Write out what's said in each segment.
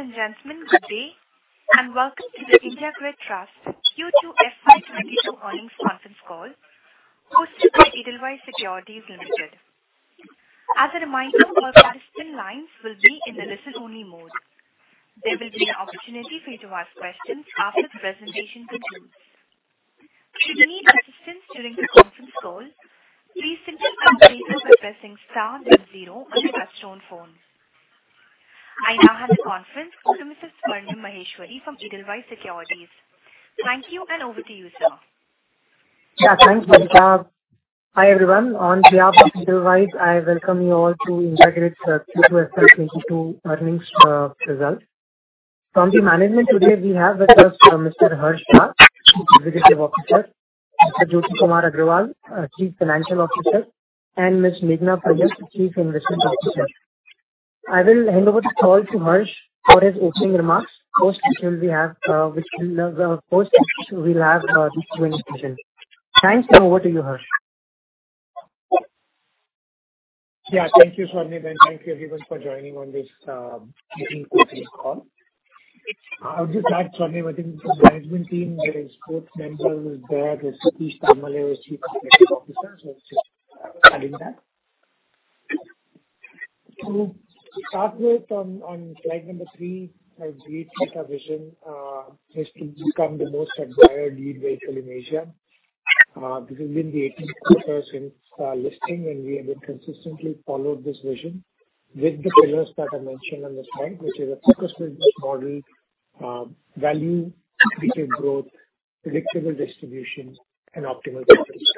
Ladies and gentlemen, good day and welcome to the India Grid Trust Q2 FY 2022 earnings conference call hosted by Edelweiss Securities Limited. As a reminder, all participant lines will be in the listen-only mode. There will be an opportunity for you to ask questions after the presentation concludes. Should you need assistance during the conference call, please simply press zero by pressing star then zero on your touch-tone phone. I now hand the conference over to Mrs. Swarnim Maheshwari from Edelweiss Securities. Thank you, and over to you, sir. Yeah. Thanks, Nikita. Hi, everyone. On behalf of Edelweiss, I welcome you all to IndiGrid's Q2 FY 2022 earnings results. From the management today we have with us Mr. Harsh Shah, Chief Executive Officer; Mr. Jyoti Kumar Agarwal, Chief Financial Officer; and Ms. Meghana Pandit, Chief Investment Officer. I will hand over the call to Harsh for his opening remarks. Post which we'll have the Q&A session. Thanks and over to you, Harsh. Yeah. Thank you, Swarnim, and thank you, everyone, for joining on this meeting quarterly call. I would just add, Swarnim, I think from the management team there is 4th member who's there, who's Satish Talmale, who's Chief Operating Officer, so just adding that. To start with on slide number three, IGT's vision is to become the most admired yield vehicle in Asia. This has been the 18th quarter since listing, and we have consistently followed this vision with the pillars that are mentioned on the slide, which is a focused business model, value, stable growth, predictable distributions, and optimal capital structure.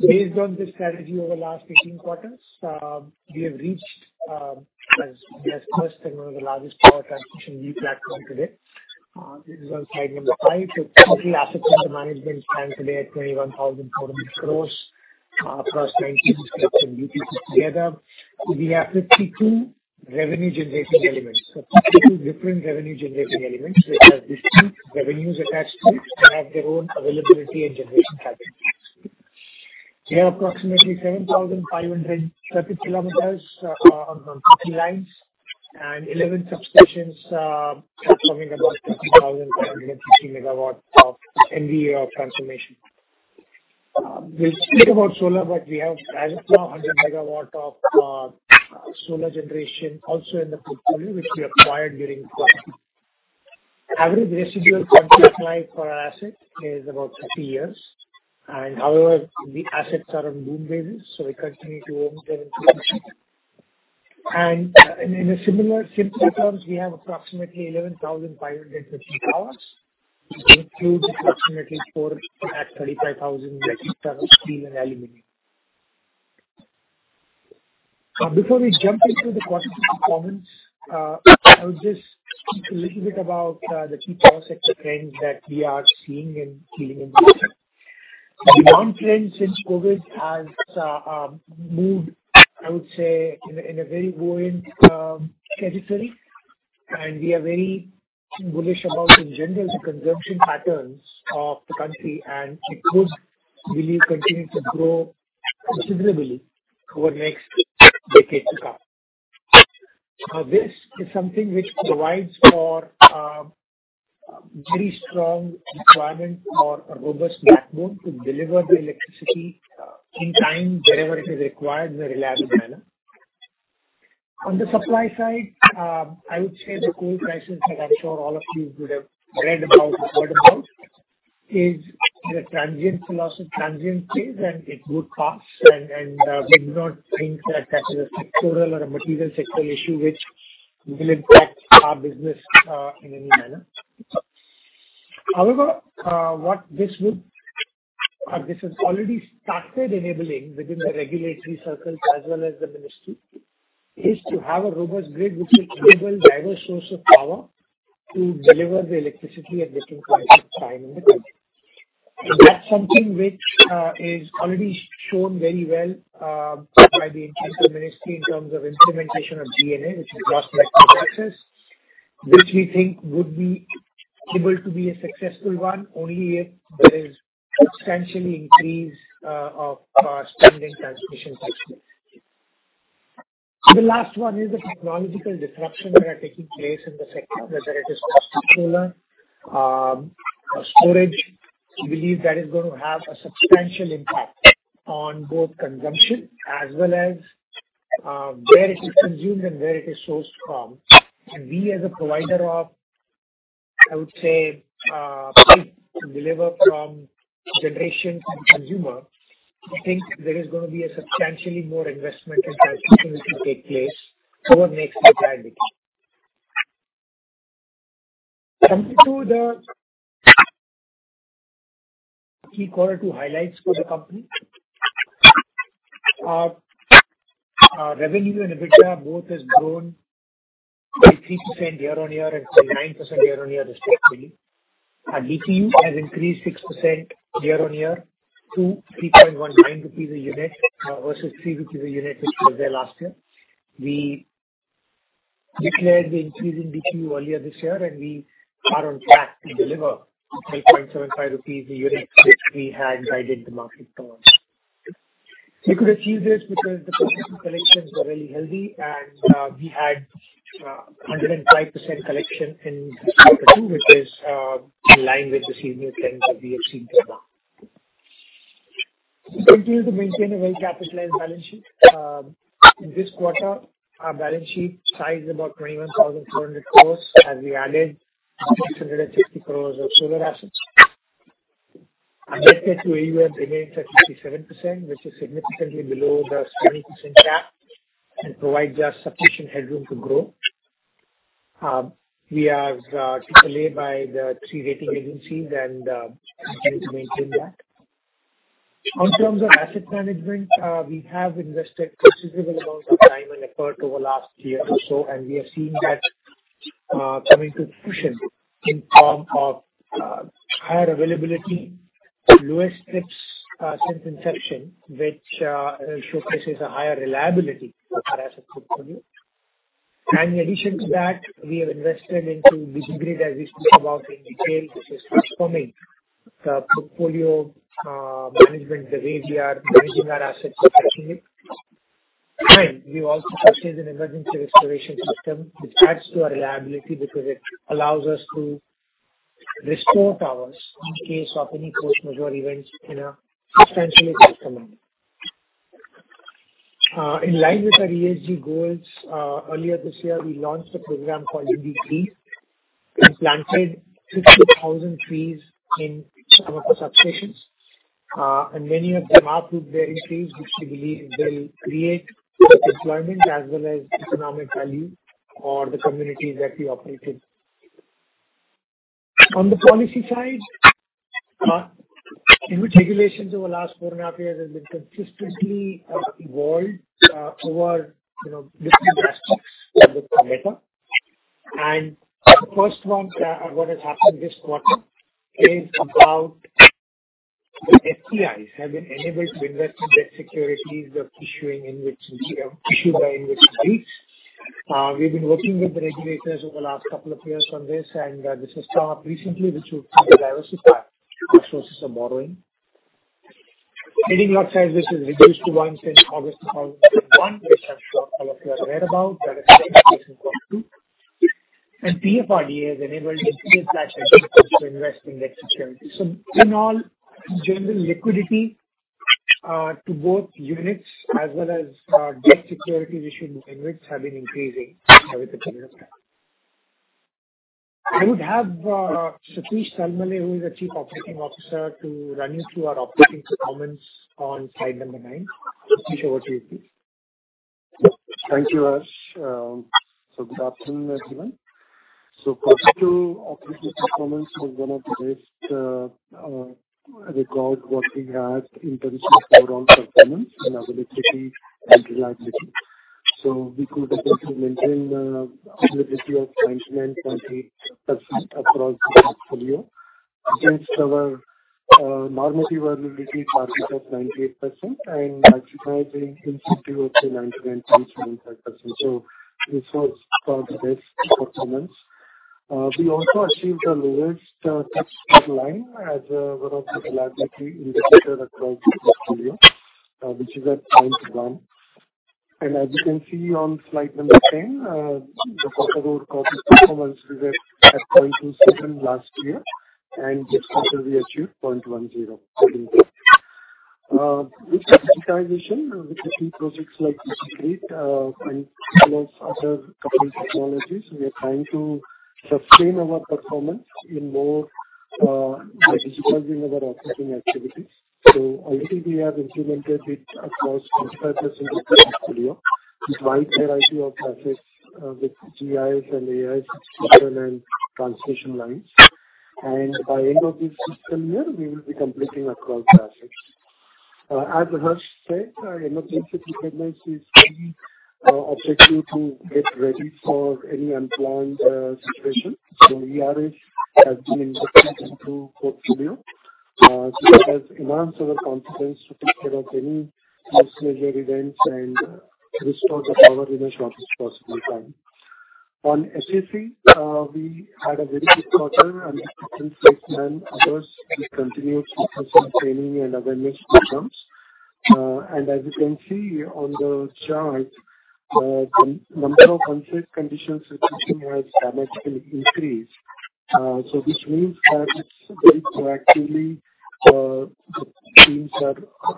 Based on this strategy over the last 18 quarters, we have reached the best and one of the largest power transmission leading platform today. This is on slide number five. Total assets under management stand today at 21,000 crore across 19 subscription DPCOs together. We have 52 revenue generating elements. 52 different revenue generating elements which have distinct revenues attached to it and have their own availability and generation capacities. We have approximately 7,530 km on 50 lines and 11 substations, transforming about 50,550 MVA transformation. We'll speak about solar, but we have as of now 100 MW of solar generation also in the portfolio which we acquired during COVID-19. Average residual contract life for our asset is about 50 years, and however, the assets are on boom basis, so we continue to own their inflation. In a similar simple terms, we have approximately 11,550 towers, which includes approximately four at 35,000 metric ton of steel and aluminum. Before we jump into the questions and comments, I would just speak a little bit about the key power sector trends that we are seeing and feeling in the system. Demand trend since COVID has moved, I would say, in a very buoyant trajectory, and we are very bullish about in general the consumption patterns of the country and it could really continue to grow considerably over next decade to come. This is something which provides for very strong requirement for a robust backbone to deliver the electricity in time wherever it is required in a reliable manner. On the supply side, I would say the coal prices that I'm sure all of you would have read about or heard about is a transient phase and it would pass and we do not think that that is a structural or a material structural issue which will impact our business in any manner. However, what this will or this has already started enabling within the regulatory circles as well as the ministry is to have a robust grid which will enable diverse source of power to deliver the electricity at different points of time in the country. That's something which is already shown very well by the internal ministry in terms of implementation of GNA, which is general network access, which we think would be able to be a successful one only if there is substantial increase of spending transmission side. The last one is the technological disruption that are taking place in the sector, whether it is solar or storage. We believe that is going to have a substantial impact on both consumption as well as where it is consumed and where it is sourced from. We as a provider of, I would say, grid to deliver from generation to consumer, we think there is going to be a substantially more investment in transmission to take place over next decade. Coming to the key quarter two highlights for the company. Our revenue and EBITDA both has grown 3% year-on-year and 9% year-on-year respectively. Our DPU has increased 6% year-on-year to INR 3.19 a unit versus 3 rupees a unit which was there last year. We declared the increase in DPU earlier this year, and we are on track to deliver 8.75 rupees a unit, which we had guided the market on. We could achieve this because the customer collections are really healthy and we had 105% collection in quarter two, which is in line with the seasonal trends that we have seen so far. We continue to maintain a well-capitalized balance sheet. In this quarter, our balance sheet size is about 21,400 crore, as we added 650 crore of solar assets. Our debt-to-EBITDA remains at 57%, which is significantly below the 70% cap and provides us sufficient headroom to grow. We are AAA by the three rating agencies and continue to maintain that. In terms of asset management, we have invested considerable amounts of time and effort over last year or so, and we are seeing that coming to fruition in form of higher availability, lower trips since inception, which showcases a higher reliability for our asset portfolio. In addition to that, we have invested into DigiGrid, as we spoke about in detail, which is transforming the portfolio management, the way we are managing our assets effectively. We've also purchased an emergency restoration system, which adds to our reliability because it allows us to restore towers in case of any force majeure events in a substantially faster manner. In line with our ESG goals, earlier this year, we launched a program called UBI and planted 60,000 trees in some of the substations. Many of them are fruit-bearing trees, which we believe will create employment as well as economic value for the communities that we operate in. On the policy side, new regulations over the last 4.5 years have been consistently evolved over, you know, different aspects of the format. The first one, what has happened this quarter, is that FPIs have been enabled to invest in debt securities issued by InvITs and REITs. We've been working with the regulators over the last couple of years on this, and this was passed recently, which will diversify our sources of borrowing. The lot size this is reduced to one since August 2021, which I'm sure all of you have read about. That is in quarter two. PFRDA has enabled pension funds to invest in debt securities. In all, general liquidity to both units as well as debt securities issued by InvITs which have been increasing over the period of time. I would have Satish Talmale, who is the Chief Operating Officer, to run you through our operating performance on slide number nine. Satish, over to you, please. Thank you, Harsh. Good afternoon, everyone. Quarter two operating performance was one of the best records we had in terms of overall performance and availability and reliability. We could continue to maintain availability of 99.8% across the portfolio against our normative availability target of 98% and maximizing in CP of 99.05%. This was the best performance. We also achieved the lowest trips per line as one of the reliability indicator across the portfolio, which is at 0.1. As you can see on slide 10, the quarter-over-quarter performance was at 0.27 last year, and this quarter we achieved 0.10. With digitization, with a few projects like DigiGrid, and plus other couple technologies, we are trying to sustain our performance in more digital in our operating activities. Already we have implemented it across 95% of the portfolio with wide variety of assets, with GIS and AIS system and transmission lines. By end of this fiscal year, we will be completing across assets. As Harsh said, emergency preparedness is key objective to get ready for any unplanned situation. ERS has been deployed into portfolio, so it has enhanced our confidence to take care of any force majeure events and restore the power in as short as possible time. On SAC, we had a very good quarter and 66.9 others. We continued focusing on training and awareness programs. As you can see on the chart, the number of unsafe condition situations has dramatically increased. This means that it's very proactively the teams are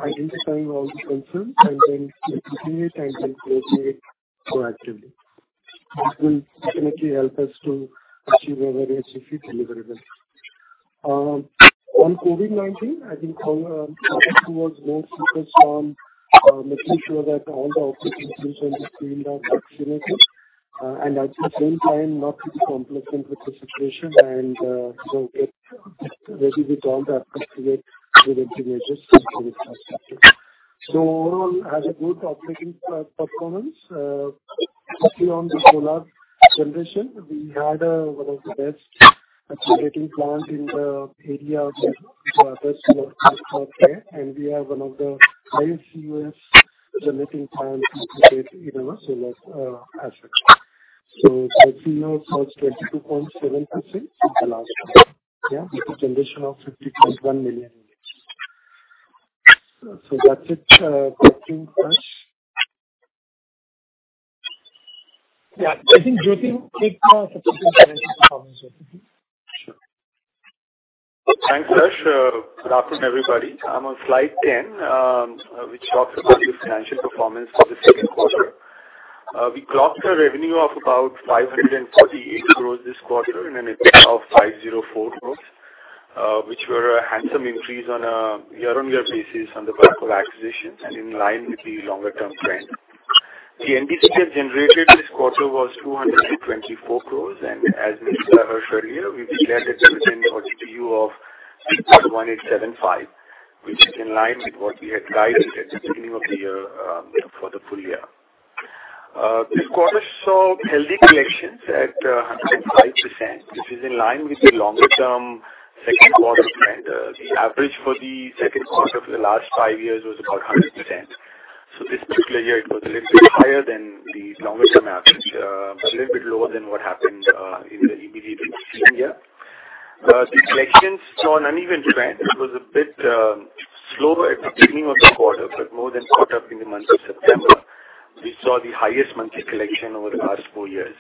identifying all the concerns and then taking the time and closing it proactively. This will definitely help us to achieve our various safety deliverables. On COVID-19, I think all focus towards more focus on making sure that all the operating teams and the team are vaccinated and at the same time not be complacent with the situation and get ready with all the appropriate preventive measures in place as well. Overall, we had a good operating performance, especially on the solar generation. We had one of the best generating plant in the area of the other solar park there. We are one of the highest yielding generating plant located in a solar asset. The PLF of 22.7% is the last one. With a generation of 50.1 million units. That's it talking to us. I think Jyoti take subsequent financial performance over here. Thanks, Satish. Good afternoon, everybody. I'm on slide 10, which talks about the financial performance for the second quarter. We clocked a revenue of about 548 crore this quarter and an EBITDA of 504 crore, which were a handsome increase on a year-on-year basis on the back of acquisitions and in line with the longer term trend. The NDCF generated this quarter was 224 crore. As mentioned by Harsh earlier, we've declared a dividend or DPU of 6.1875, which is in line with what we had guided at the beginning of the year, for the full year. This quarter saw healthy collections at 105%, which is in line with the longer term second quarter trend. The average for the second quarter for the last 5 years was about 100%. This particular year it was a little bit higher than the longer term average, but a little bit lower than what happened in the immediately preceding year. The collections saw an uneven trend. It was a bit slower at the beginning of the quarter, but more than caught up in the month of September. We saw the highest monthly collection over the last four years.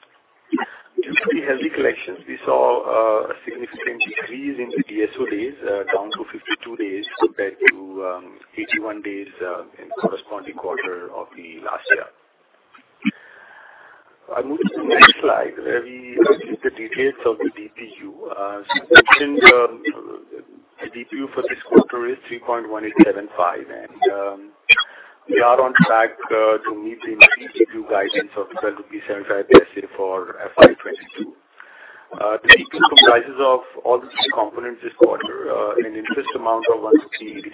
Due to the healthy collections, we saw a significant decrease in the DSO days, down to 52 days compared to 81 days in corresponding quarter of the last year. I move to the next slide where we look at the details of the DPU. As mentioned, the DPU for this quarter is 3.1875. We are on track to meet the DPU guidance of 12.75 rupees for FY 2022. The DPU comprises of all the three components this quarter, an interest amount of 1.86,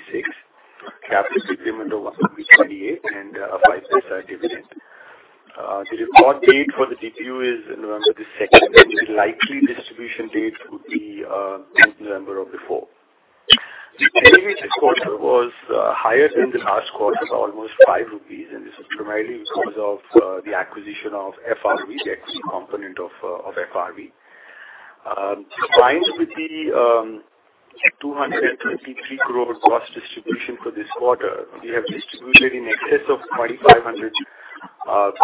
capital treatment of 1.28, and five paisa dividend. The record date for the DPU is November 2, and the likely distribution date would be November 4. The dividend this quarter was higher than the last quarter of almost 5 rupees, and this is primarily because of the acquisition of FRV, the equity component of FRV. Combined with the 223 crore gross distribution for this quarter, we have distributed in excess of 2,500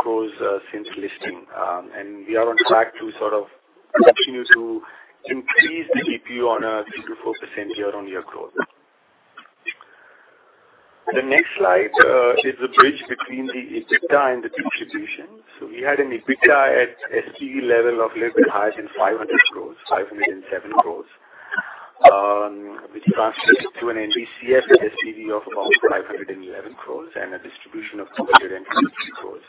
crore since listing. We are on track to sort of continue to increase the DPU on a 3%-4% year-over-year growth. The next slide is the bridge between the EBITDA and the distribution. We had an EBITDA at SPV level of little bit higher than 500 crores, 507 crores, which translates to an NDCF at SPV of about 511 crores and a distribution of 223 crores.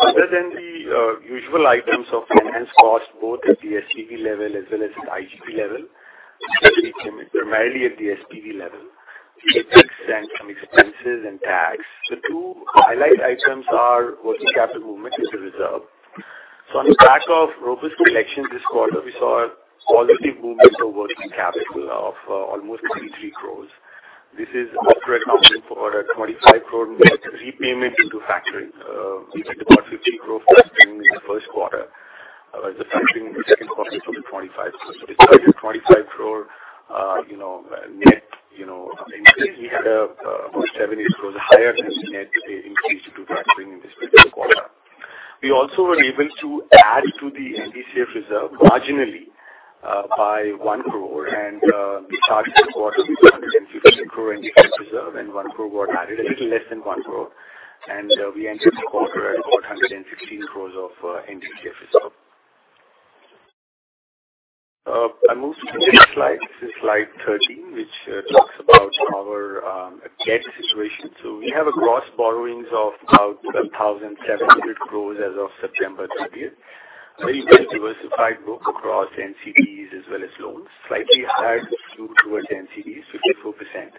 Other than the usual items of enhanced cost both at the SPV level as well as the IGP level, especially primarily at the SPV level, CapEx and some expenses and tax. The two highlight items are working capital movement as a reserve. On the back of robust collections this quarter we saw a positive movement of working capital of almost 23 crores. This is after accounting for an 25 crore net repayment into factoring. We did about 50 crore factoring in the first quarter. The factoring in the second quarter was only 25 crores. Despite the 25 crore, you know, net, you know, increase, we had almost 70 crores higher than the net increase due to factoring in this particular quarter. We also were able to add to the NDCF reserve marginally by 1 crore. We charged this quarter with an 150 crore NDCF reserve, and 1 crore got added, a little less than 1 crore. We entered the quarter at 116 crores of NDCF reserve. I move to the next slide. This is slide 13, which talks about our debt situation. We have a gross borrowings of about 12,700 crore as of September 30. Very well diversified book across NCDs as well as loans. Slightly higher skew towards NCDs, 54%,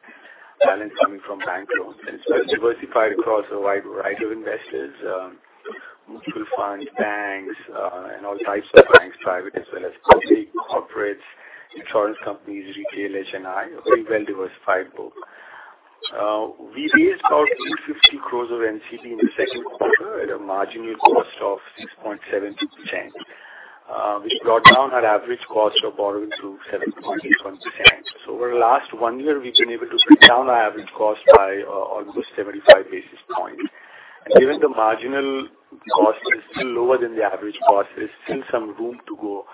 balance coming from bank loans. It's well diversified across a wide variety of investors, mutual funds, banks, and all types of banks, private as well as public, corporates, insurance companies, retail HNI. A very well diversified book. We raised about 850 crore of NCD in the second quarter at a marginal cost of 6.76%, which brought down our average cost of borrowing to 7.1%. Over the last one year we've been able to bring down our average cost by almost 75 basis points. Given the marginal cost is still lower than the average cost, there's still some room to go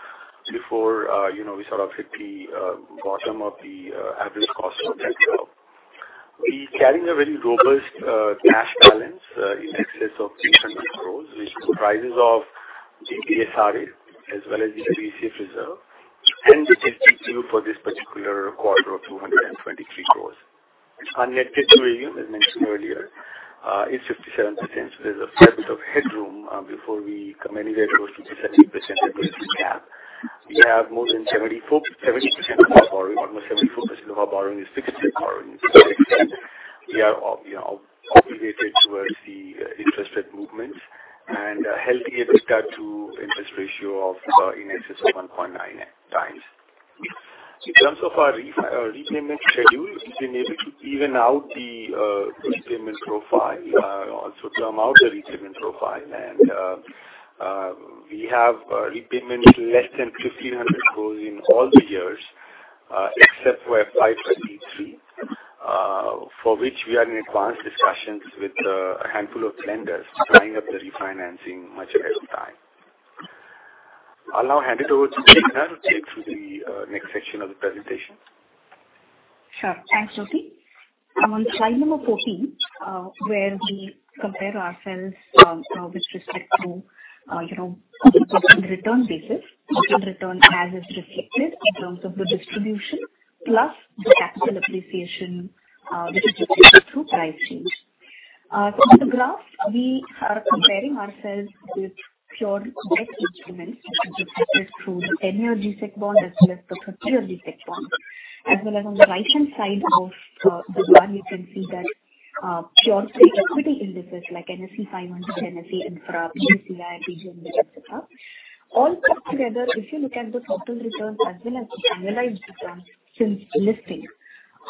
before, you know, we sort of hit the bottom of the average cost of debt curve. We're carrying a very robust cash balance in excess of 800 crores, which comprises of DSRA as well as the NDCF reserve. The DPU for this particular quarter is 223 crores. Our net debt to revenue, as mentioned earlier, is 57%. There's a fair bit of headroom before we come anywhere close to the 70% leverage cap. We have more than 74% of our borrowing, almost 74% of our borrowing is fixed rate borrowing. We are obligated towards the interest rate movements and a healthy EBITDA to interest ratio of in excess of 1.9x. In terms of our repayment schedule, we've been able to even out the repayment profile, also term out the repayment profile. We have repayment less than 1,500 crores in all the years except for FY 2023, for which we are in advanced discussions with a handful of lenders lining up the refinancing much ahead of time. I'll now hand it over to Meghana to take through the next section of the presentation. Sure. Thanks, Jyoti. On slide number 14, where we compare ourselves with respect to, you know, total return basis. Total return as is reflected in terms of the distribution, plus the capital appreciation, that is reflected through price change. On the graph, we are comparing ourselves with pure debt instruments, which is reflected through the 10-year G-Sec bond as well as the 15-year G-Sec bond. As well as on the right-hand side of the graph, you can see that pure play equity indices like NSE 500, NSE Infra, BSE I, BG Nifty, et cetera. All put together, if you look at the total returns as well as the annualized returns since listing,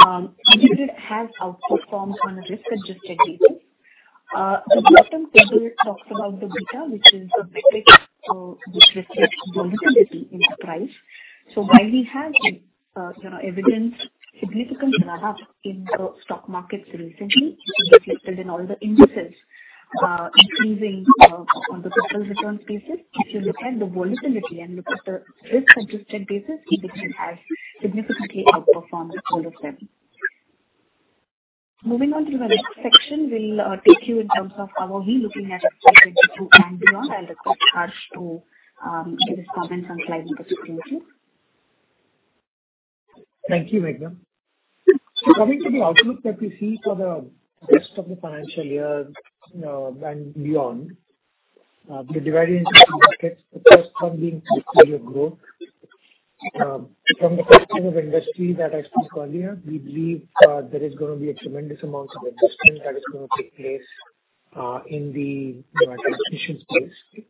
IndiGrid has outperformed on a risk-adjusted basis. The bottom table talks about the beta, which is the metric, which reflects volatility in the price. While we have, you know, evidenced significant ramp up in the stock markets recently, which is reflected in all the indices, increasing on the total returns basis. If you look at the volatility and look at the risk-adjusted basis, IndiGrid has significantly outperformed all of them. Moving on to the next section, we'll take you in terms of how are we looking at FY 2022 and beyond. I'll request Harsh to give his comments on slide number 15, please. Thank you, Meghana. Coming to the outlook that we see for the rest of the financial year, and beyond, we divide it into two buckets. The first one being full-year growth. From the perspective of industry that I spoke earlier, we believe, there is gonna be a tremendous amount of investment that is gonna take place, in the, transmission space.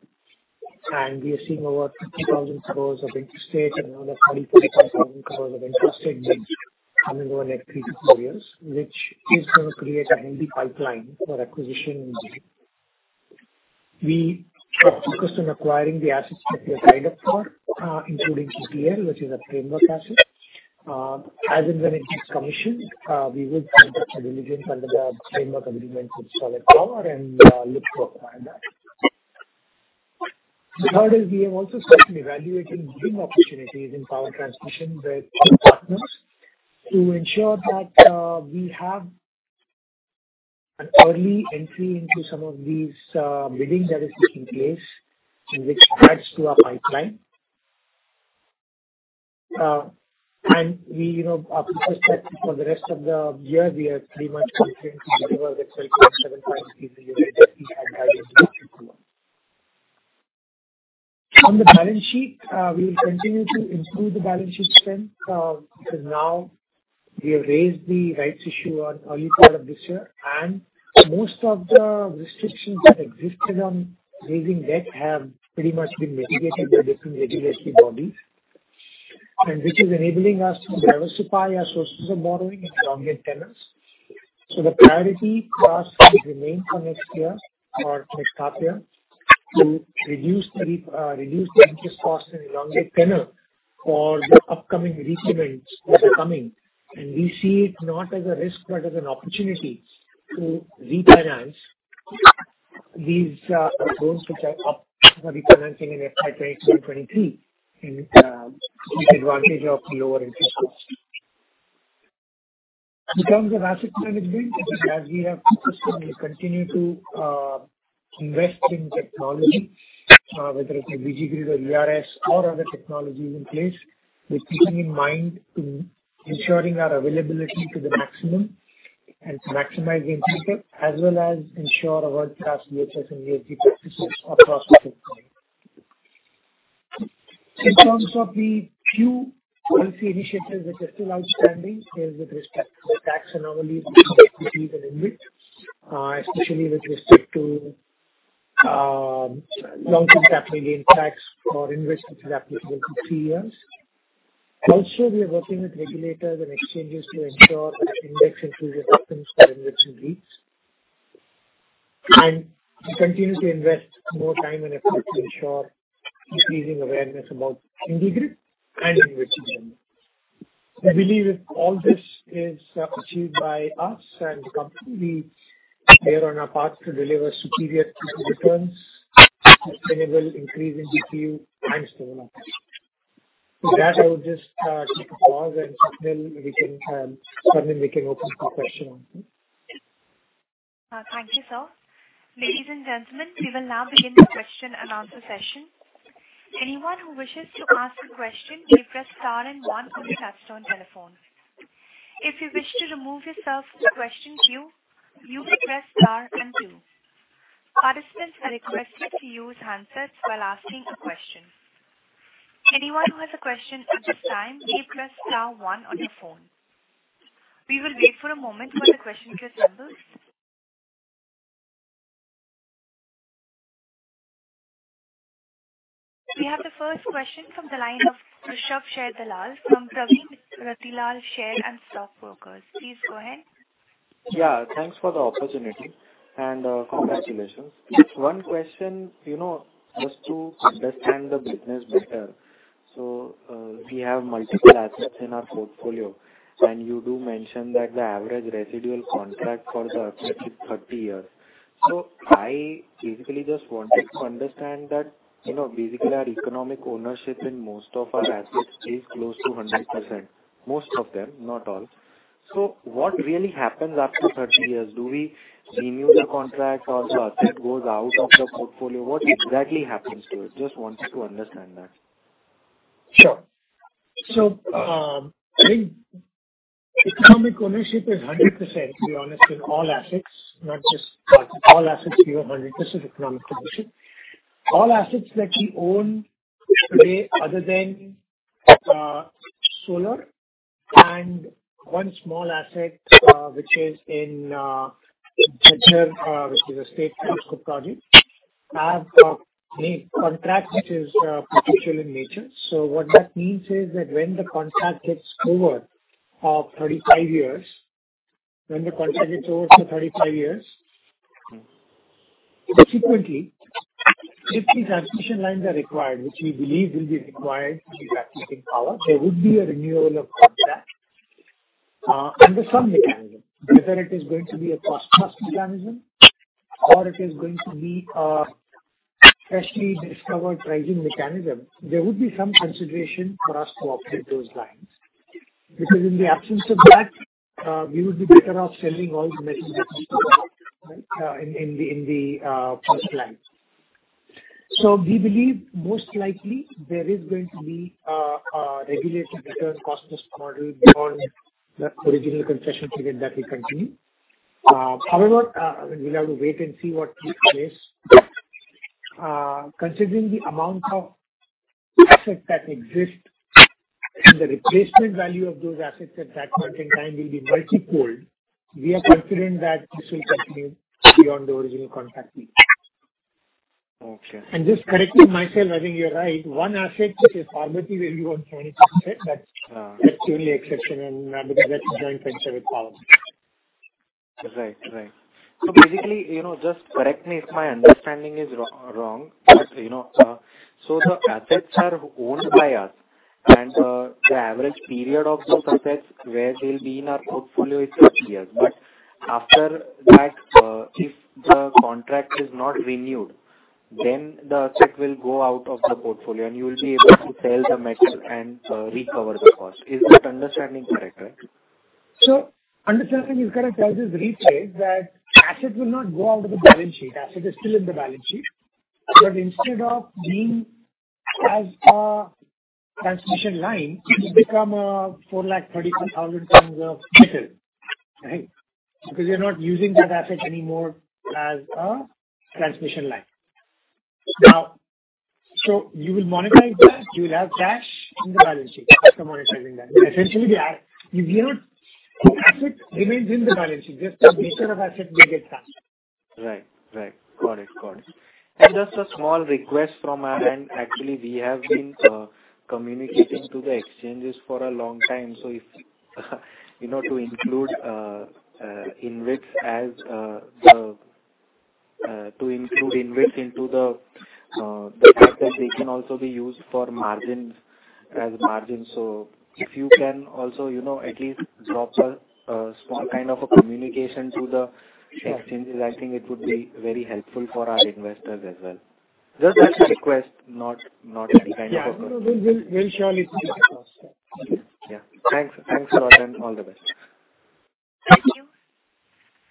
We are seeing over 50,000 crore of interstate and another 24,000 crore of intrastate bids coming over next three to four years, which is gonna create a healthy pipeline for acquisition in IndiGrid. We are focused on acquiring the assets that we have lined up for, including GCLEPL, which is a framework asset. As and when it gets commissioned, we will conduct a diligence under the framework agreement with Sterlite Power and, look to acquire that. Third is we have also started evaluating bidding opportunities in power transmission with key partners to ensure that, we have an early entry into some of these, bidding that is taking place and which adds to our pipeline. We, you know, are focused that for the rest of the year, we are pretty much confident to deliver the INR 27.3 billion revenue and EBITDA should follow. On the balance sheet, we will continue to improve the balance sheet strength, because now we have raised the rights issue on early part of this year. Most of the restrictions that existed on raising debt have pretty much been mitigated by different regulatory bodies. Which is enabling us to diversify our sources of borrowing into longer tenors. The priority for us will remain for next year or next half year to reduce the interest costs and elongate tenor for the upcoming receipts which are coming. We see it not as a risk, but as an opportunity to refinance these loans which are up for refinancing in FY 2022 and 2023 and take advantage of lower interest rates. In terms of asset management, as we have focused on, we'll continue to invest in technology, whether it be DigiGrid or ERS or other technologies in place, with keeping in mind to ensuring our availability to the maximum and to maximize the intake, as well as ensure a world-class O&M and HSE practices across our footprint. In terms of the few policy initiatives which are still outstanding deals with respect to the tax anomaly on equity in InvIT, especially with respect to, long-term capital gains tax for InvIT, which is applicable for three years. Also, we are working with regulators and exchanges to ensure index inclusion happens for InvITs and REITs. We continue to invest more time and effort to ensure increasing awareness about IndiGrid and InvITs in general. We believe if all this is achieved by us and the company, we are on our path to deliver superior total returns, sustainable increase in DPU, and so on. With that, I will just take a pause, and Nikita, we can open for questions. Thank you, sir. Ladies and gentlemen, we will now begin the question and answer session. Anyone who wishes to ask a question, you press star and one on your touch-tone telephone. If you wish to remove yourself from the question queue, you may press star and two. Participants are requested to use handsets while asking a question. Anyone who has a question at this time, please press star one on your phone. We will wait for a moment for the question queue members. We have the first question from the line of Rushabh Sharedalal from Pravin Ratilal Share and Stock Brokers. Please go ahead. Yeah, thanks for the opportunity and, congratulations. One question, you know, just to understand the business better. We have multiple assets in our portfolio, and you do mention that the average residual contract for the asset is 30 years. I basically just wanted to understand that, you know, basically our economic ownership in most of our assets is close to 100%, most of them, not all. What really happens after 30 years? Do we renew the contract or the asset goes out of the portfolio? What exactly happens to it? Just wanted to understand that. Sure. I think economic ownership is 100%, to be honest, in all assets, not just all assets; we have 100% economic ownership. All assets that we own today other than solar and one small asset, which is in a state project, have a contract which is perpetual in nature. What that means is that when the contract gets over for 35 years, subsequently, if these transmission lines are required, which we believe will be required to access power, there would be a renewal of contract under some mechanism. Whether it is going to be a cost plus mechanism or it is going to be a freshly discovered pricing mechanism, there would be some consideration for us to operate those lines. Because in the absence of that, we would be better off selling all the metal that in the first line. We believe most likely there is going to be a regulated return cost plus model beyond the original concession period that will continue. However, we'll have to wait and see what takes place. Considering the amount of assets that exist and the replacement value of those assets at that point in time will be multiple, we are confident that this will continue beyond the original contract period. Okay. Just correcting myself, I think you're right. One asset is currently valued on 20%. That's purely exceptional because that's a joint venture with Power. Right. Basically, you know, just correct me if my understanding is wrong, but you know, so the assets are owned by us and, the average period of those assets where they'll be in our portfolio is 30 years. But after that, if the contract is not renewed, then the asset will go out of the portfolio and you will be able to sell the metal and, recover the cost. Is that understanding correct, right? Understanding is correct. I'll just rephrase that asset will not go out of the balance sheet. Asset is still in the balance sheet. But instead of being as a transmission line, it will become 434,000 tons of metal, right? Because you're not using that asset anymore as a transmission line. Now you will monetize that. You will have cash in the balance sheet after monetizing that. But essentially, you know, asset remains in the balance sheet. Just the nature of asset will get changed. Right. Got it. Just a small request from our end. Actually, we have been communicating to the exchanges for a long time. If you know, to include InvIT into the fact that they can also be used for margins, as margins. If you can also, you know, at least drop a small kind of a communication to the- Sure. Exchanges, I think it would be very helpful for our investors as well. Just that's a request, not any kind of a- Yeah. No, no, we'll surely do that. Yeah. Thanks. Thanks a lot. All the best. Thank you.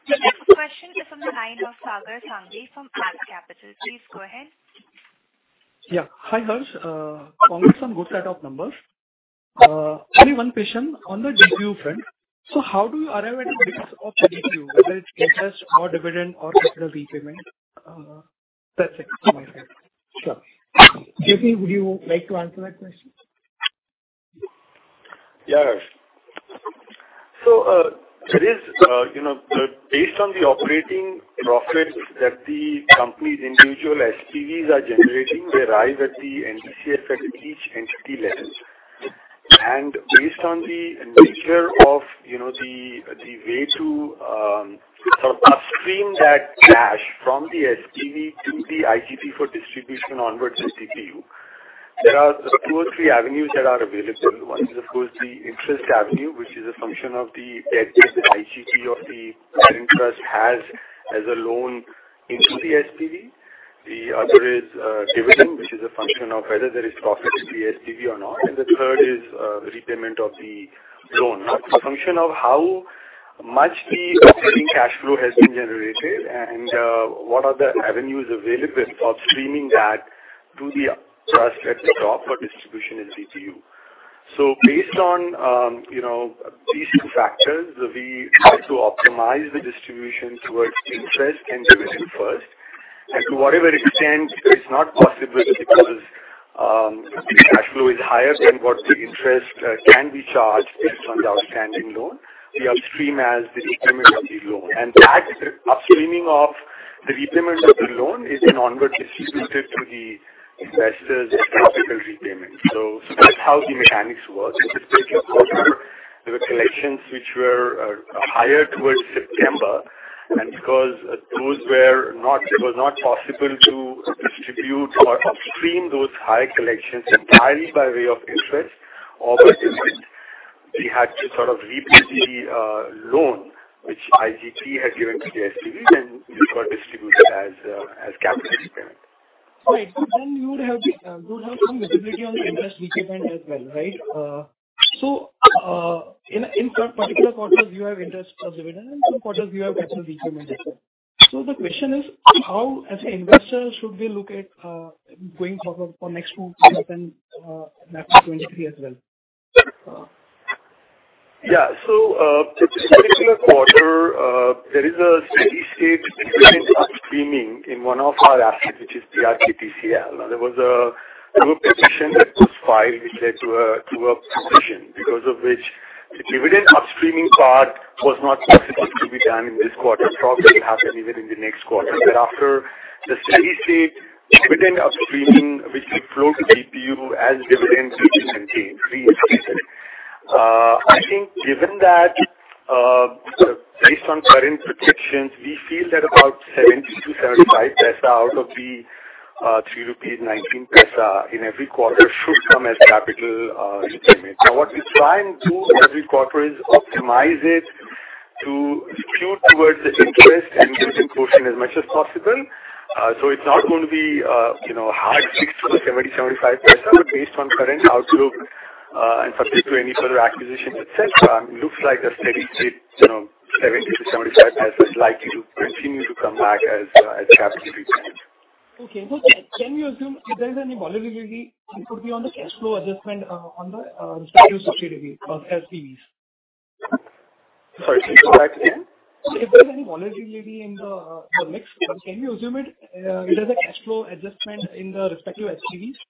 The next question is from the line of Sagar Sanghvi from Axis Capital. Please go ahead. Hi, Harsh. Congrats on good set of numbers. Only one question on the DPU front. How do you arrive at the benefits of DPU, whether it's interest or dividend or capital repayment? That's it from my end. Sure. Jyoti, would you like to answer that question? It is based on the operating profits that the company's individual SPVs are generating. They arrive at the NDCF at each entity level. Based on the nature of the way to upstream that cash from the SPV to the IGT for distribution onwards to DPU. There are two or three avenues that are available. One is of course the interest avenue, which is a function of the debt that IGT of the trust has as a loan into the SPV. The other is dividend, which is a function of whether there is profit to the SPV or not. The third is repayment of the loan. Now, it's a function of how much the operating cash flow has been generated and what are the avenues available of upstreaming that to the trust at the top for distribution in DPU. Based on you know these two factors, we try to optimize the distribution towards interest and dividend first. To whatever extent it's not possible because the cash flow is higher than what the interest can be charged based on the outstanding loan, we upstream as the repayment of the loan. That upstreaming of the repayment of the loan is then onward distributed to the investors as capital repayment. That's how the mechanics work. In this particular quarter, there were collections which were higher towards September. Because those were not, it was not possible to distribute or upstream those high collections entirely by way of interest or by dividend. We had to sort of repay the loan which IGT had given to the SPV, and it got distributed as capital repayment. You would have some visibility on the interest repayment as well, right? In some particular quarters you have interest as dividend, and some quarters you have capital repayment as well. The question is, how, as an investor, should we look at going forward for next two quarters and FY 2023 as well? Yeah. For this particular quarter, there is a steady-state dividend upstreaming in one of our assets, which is BDTCL. There was a group petition that was filed which led to a position because of which the dividend upstreaming part was not possible to be done in this quarter. Probably it'll happen even in the next quarter. Thereafter, the steady-state dividend upstreaming, which will flow to DPU as dividend, will be maintained, reinstated. I think given that, based on current projections, we feel that about 0.70-0.75 out of the 3.19 rupees in every quarter should come as capital repayment. Now, what we try and do every quarter is optimize it to skew towards the interest and dividend portion as much as possible. It's not going to be, you know, hard fixed to the 0.70-0.75. Based on current outlook, and subject to any further acquisitions, et cetera, it looks like a steady-state, you know, 0.70-0.75 is likely to continue to come back as capital repayment. Okay. Can we assume if there's any volatility, it would be on the cash flow adjustment on the respective subsidiary or SPVs? Sorry, say that again. If there's any volatility in the mix, can we assume it has a cash flow adjustment in the respective SPVs?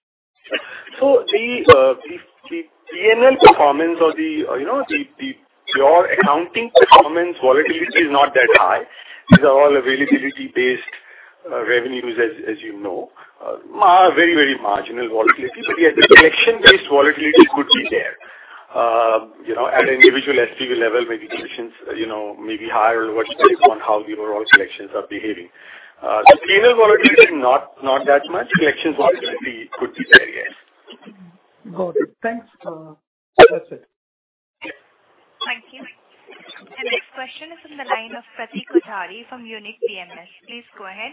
The P&L performance or you know the pure accounting performance volatility is not that high. These are all availability based revenues as you know. Very marginal volatility. Yeah, the collection-based volatility could be there. You know, at individual SPV level, maybe collections you know may be higher or lower based on how the overall collections are behaving. The P&L volatility not that much. Collections volatility could be there, yes. Got it. Thanks. That's it. Thank you. The next question is from the line of Pratik Kothari from Unique PMS. Please go ahead.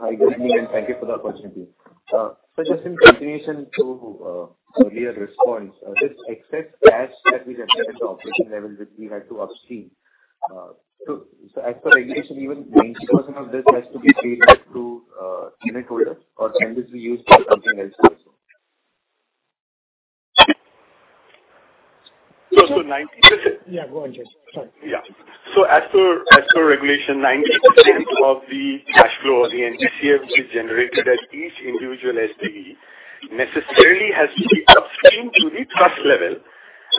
Hi, good evening, and thank you for the opportunity. Sir, just in continuation to earlier response, this excess cash that we generated at the operation level that we had to upstream, as per regulation, even 90% of this has to be paid back to unit holder or can this be used for something else also? 90%. Yeah, go on, Jyoti. Sorry. As per regulation, 90% of the cash flow or the NDCF which is generated at each individual SPV necessarily has to be upstreamed to the trust level,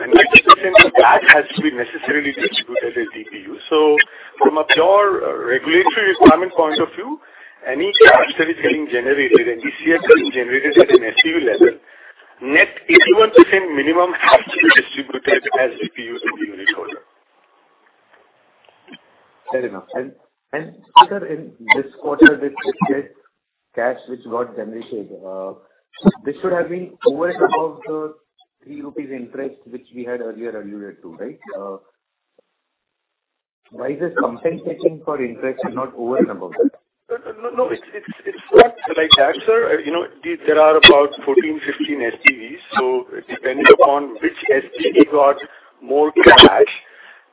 and 90% of that has to be necessarily distributed as DPU to the unit holder. Fair enough. Sir, in this quarter, this excess cash which got generated, this should have been over and above the 3 rupees interest which we had earlier alluded to, right? Why is this compensation for interest and not over and above that? No, it's not like that, sir. You know, there are about 14, 15 SPVs. So depending upon which SPV got more cash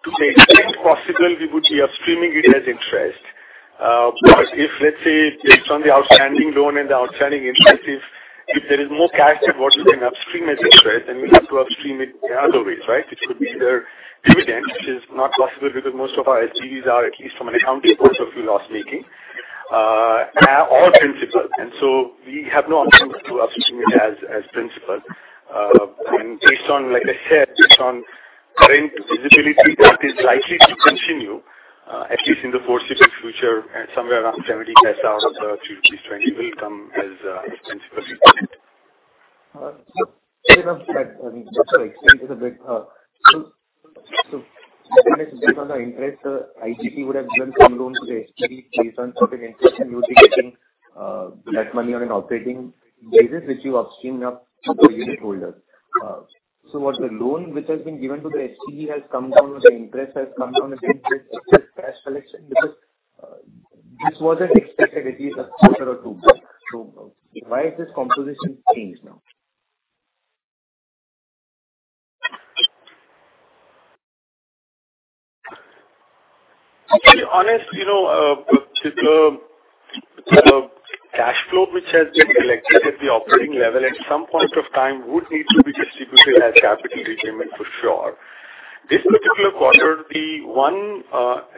to pay interest, possibly we would be upstreaming it as interest. But if, let's say, based on the outstanding loan and the outstanding interest, if there is more cash than what we can upstream as interest, then we'll have to upstream it in other ways, right? It could be either dividend, which is not possible because most of our SPVs are, at least from an accounting point of view, loss-making, or principal. We have no option but to upstream it as principal. Based on current visibility, like I said, that is likely to continue at least in the foreseeable future, somewhere around 70 paisa out of the 3.20 will come as principal repayment. Fair enough. That, sir, explains it a bit. This is based on the interest, sir. IGT would have given some loan to the SPV based on certain interest, and you'll be getting that money on an operating basis which you upstreamed up to the unit holders. Was the loan which has been given to the SPV come down or the interest has come down a bit with excess cash collection because this wasn't expected at least a quarter or two back. Why has this composition changed now? To be honest, you know, with the cash flow which has been collected at the operating level at some point of time would need to be distributed as capital repayment for sure. This particular quarter, the one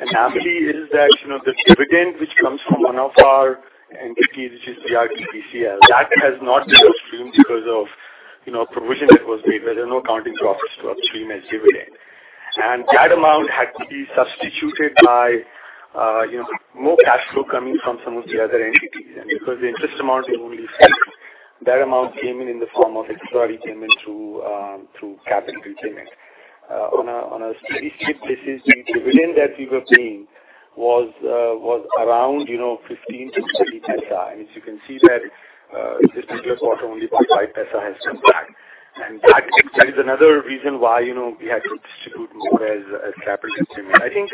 anomaly is that, you know, the dividend which comes from one of our entities, which is BDTCL, that has not been upstreamed because of, you know, a provision that was made where there are no accounting profits to upstream as dividend. That amount had to be substituted by, you know, more cash flow coming from some of the other entities. Because the interest amount is only six, that amount came in the form of extraordinary payment through capital repayment. On a steady-state basis, the dividend that we were paying was around, you know, 15-20 paisa. As you can see that, in this particular quarter, only about 0.05 has come back. That is another reason why, you know, we had to distribute more as capital repayment. I think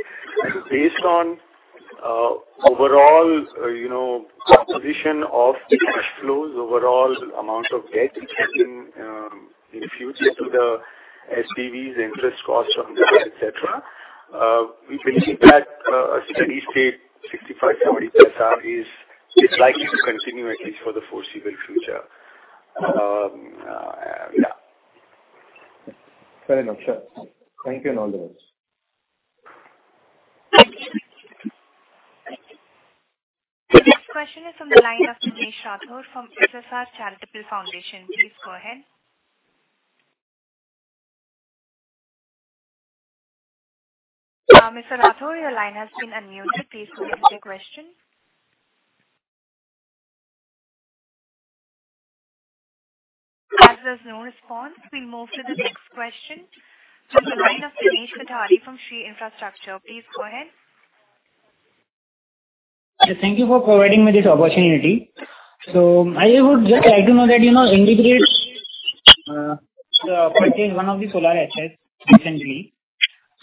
based on overall, you know, composition of the cash flows, overall amount of debt, which has been infused into the SPVs, interest costs on that, et cetera, we believe that a steady-state 0.65-0.70 is likely to continue at least for the foreseeable future. Fair enough, sure. Thank you, and all the best. Thank you. Next question is from the line of Dinesh Rathore from SSR Charitable Foundation. Please go ahead. Mr. Rathore, your line has been unmuted. Please go ahead with your question. As there's no response, we'll move to the next question from the line of Dinesh Kothari from Shree Infrastructure. Please go ahead. Thank you for providing me this opportunity. I would just like to know that, you know, IndiGrid purchased one of the solar assets recently.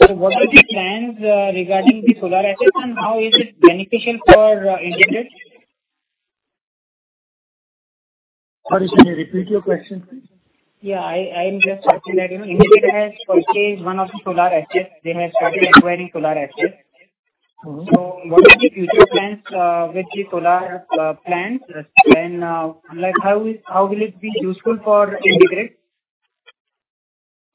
What are the plans regarding the solar assets, and how is it beneficial for IndiGrid? Sorry, can you repeat your question, please? Yeah. I'm just asking that, you know, IndiGrid has purchased one of the solar assets. They have started acquiring solar assets. Mm-hmm. What are the future plans with the solar plans? Like, how will it be useful for IndiGrid?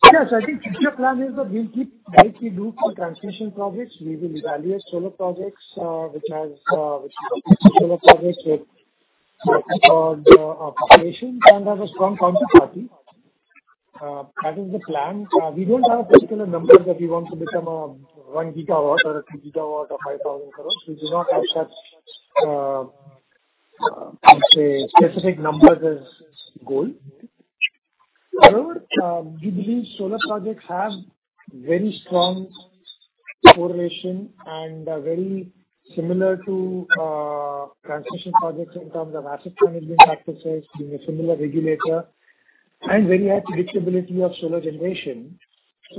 Yeah. I think future plan is that we'll keep, like we do for transmission projects, we will evaluate solar projects, which is a solar project with a strong counterparty. That is the plan. We don't have a particular number that we want to become a 1 GW or a 2 GW or INR 5,000 crores. We do not have such, I'd say, specific numbers as goal. However, we believe solar projects have very strong correlation and are very similar to transmission projects in terms of asset management practices, similar regulator, and very high predictability of solar generation.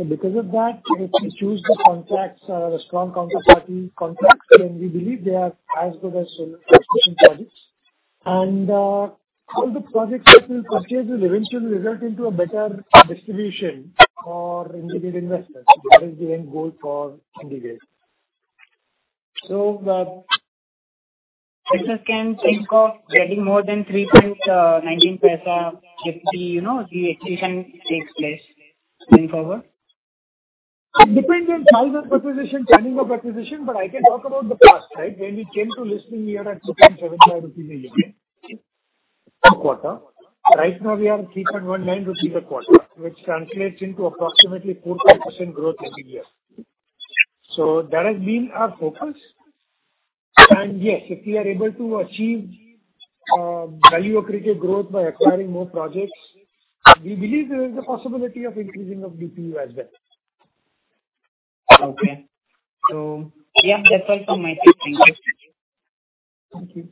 Because of that, if we choose the contracts, strong counterparty contracts, then we believe they are as good as solar transmission projects. All the projects that we'll purchase will eventually result into a better distribution for IndiGrid investors. That is the end goal for IndiGrid. Investors can think of getting more than 0.0319 DPU, you know, if the acquisition takes place going forward? It depends on size of acquisition, timing of acquisition, but I can talk about the past, right? When we came to listing, we were at INR 2.75 a unit per quarter. Right now we are at 3.19 rupees a quarter, which translates into approximately 4%-5% growth every year. That has been our focus. Yes, if we are able to achieve value accretive growth by acquiring more projects, we believe there is a possibility of increasing of DPU as well. Okay. Yeah, that's all from my side. Thank you. Thank you.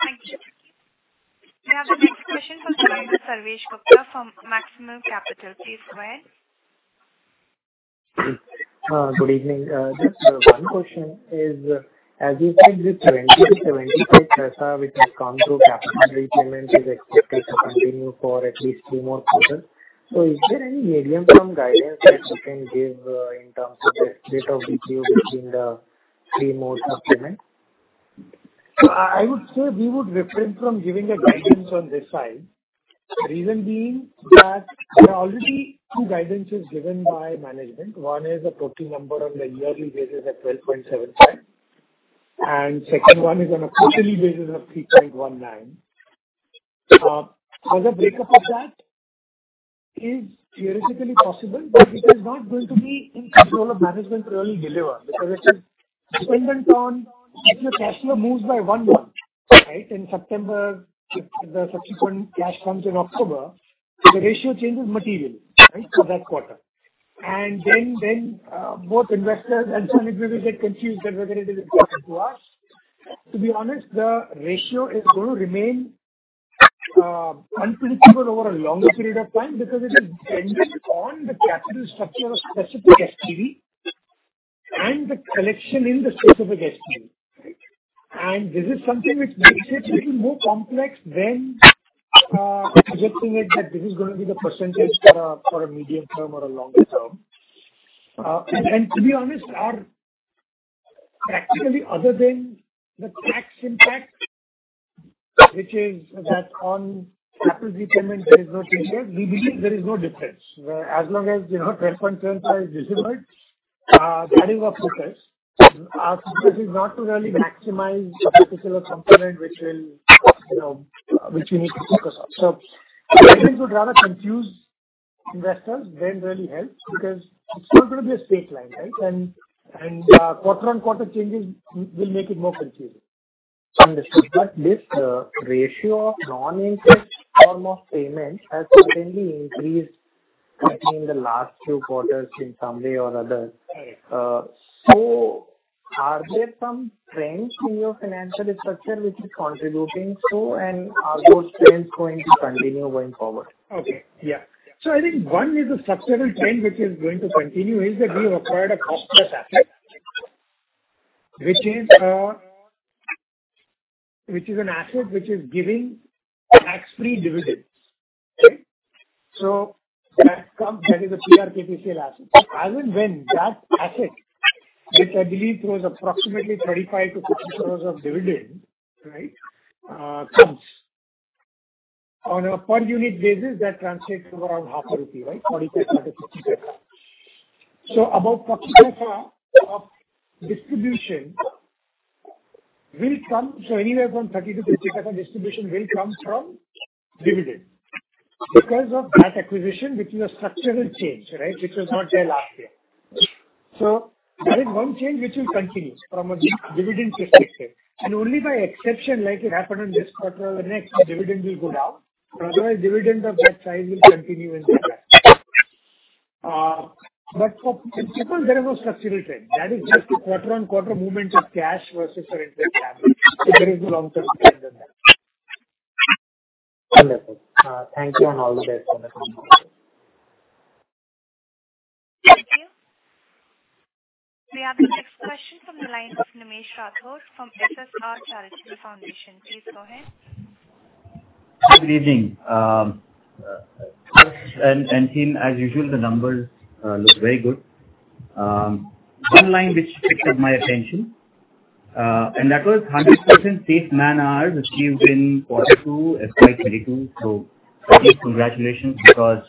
Thank you. We have the next question from the line of Sarvesh Gupta from Maximal Capital. Please go ahead. Good evening. Just one question is, as you said, the 0.70-0.75 which has come through capital repayments is expected to continue for at least three more quarters. Is there any medium-term guidance that you can give, in terms of the state of DPU between the three more supplements? I would say we would refrain from giving a guidance on this side. Reason being that there are already two guidances given by management. One is a proxy number on the yearly basis at 12.75, and second one is on a quarterly basis of 3.19. Further breakup of that is theoretically possible, but it is not going to be in control of management to really deliver because it is dependent on if the cash flow moves by one month, right? In September, if the subsequent cash comes in October, the ratio changes materially, right? For that quarter. Both investors and some people will get confused that whether it is because of us. To be honest, the ratio is going to remain unpredictable over a longer period of time because it is dependent on the capital structure of specific SPV and the collection in the specific SPV. This is something which makes it little more complex than projecting it that this is gonna be the percentage for a medium-term or a longer term. To be honest, practically other than the tax impact, which is that on capital repayment, there is no payment. We believe there is no difference. Whereas as long as, you know, transparent terms are visible, there is no difference. Our focus is not to really maximize a particular component which will, you know, we need to focus on. I think it would rather confuse investors than really help because it's still gonna be a straight line, right? Quarter-on-quarter changes will make it more confusing. Understood. This ratio of non-interest form of payment has certainly increased in the last few quarters in some way or other. Right. Are there some trends in your financial structure which is contributing to, and are those trends going to continue going forward? Okay. Yeah. I think one is a structural trend which is going to continue, is that we have acquired a cost plus asset. Which is an asset which is giving tax-free dividends. Right? That comes, that is a PrKTCL sale asset. As and when that asset, which I believe was approximately 35 crores-50 crores of dividend, right, comes. On a per unit basis, that translates to around half a rupee, right? INR 45 out of 50. About 50 of distribution will come. Anywhere from 32-50 distribution will come from dividend. Because of that acquisition, which was a structural change, right, which was not there last year. That is one change which will continue from a dividend perspective. Only by exception, like it happened in this quarter or the next, the dividend will go down. Otherwise dividend of that size will continue into the next. For the second there is no structural change. That is just a quarter-on-quarter movement of cash versus our interest payment. There is no long-term trend in that. Wonderful. Thank you and all the best for the company. Thank you. We have the next question from the line of Nimesh Rathod from SSR Charitable Foundation. Please go ahead. Good evening. First and foremost, as usual, the numbers look very good. One line which piqued my attention, and that was 100% safe man-hours achieved in Q2 FY 2022. First, congratulations because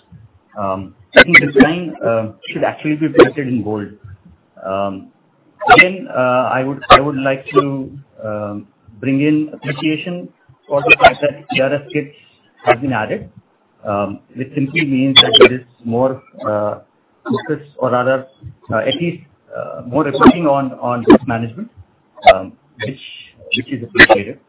I think this line should actually be printed in gold. Again, I would like to bring in appreciation for the fact that ERS kits have been added. Which simply means that there is more focus or rather at least more focus on risk management, which is appreciated.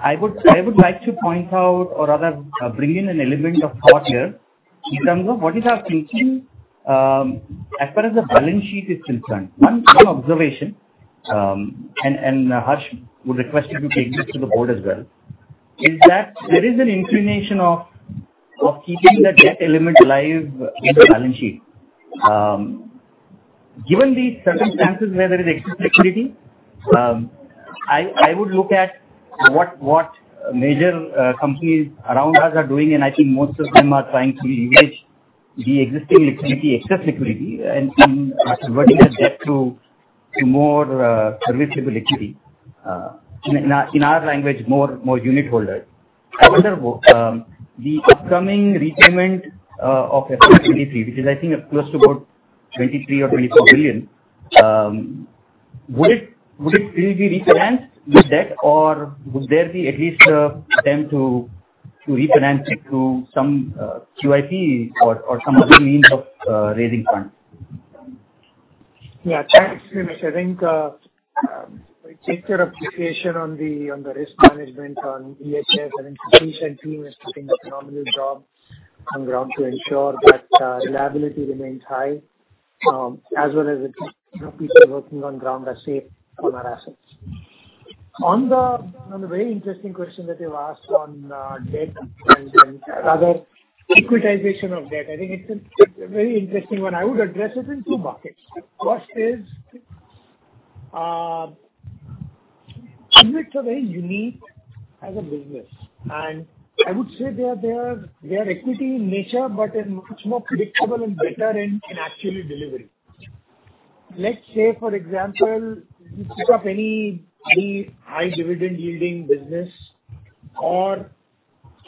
I would like to point out or rather bring in an element of thought here in terms of what is our thinking as far as the balance sheet is concerned. One observation, Harsh would request you to take this to the board as well, is that there is an inclination of keeping the debt element live in the balance sheet. Given these circumstances where there is excess liquidity, I would look at what major companies around us are doing, and I think most of them are trying to leverage the existing liquidity, excess liquidity, and are converting that debt to more serviceable equity. In our language, more unit holders. I wonder the upcoming repayment of FY 2023, which I think is close to about 23 billion or 24 billion, would it really be refinanced with debt or would there be at least an attempt to refinance it to some QIP or some other means of raising funds? Yeah. Thanks, Nimesh. I think we take your appreciation on the risk management on HSE. I think the leadership team is doing a phenomenal job on ground to ensure that reliability remains high, as well as the team, you know, people working on ground are safe on our assets. On the very interesting question that you've asked on debt and rather equitization of debt. I think it's a very interesting one. I would address it in two buckets. First is units are very unique as a business. I would say they are equity in nature but are much more predictable and better in actually delivering. Let's say for example, you pick up any high dividend yielding business or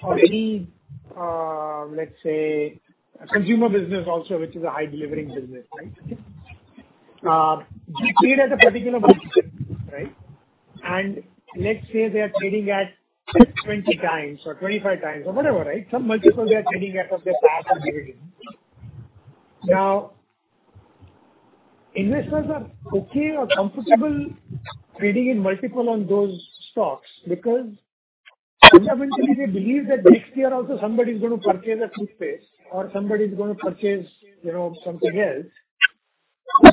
any let's say consumer business also which is a high delivering business, right? You trade at a particular multiple, right? Let's say they are trading at 10x, 20x or 25x or whatever, right? Some multiple they are trading at of their past dividend. Now, investors are okay or comfortable trading in multiple on those stocks because fundamentally they believe that next year also somebody's gonna purchase a toothpaste or somebody's gonna purchase, you know, something else.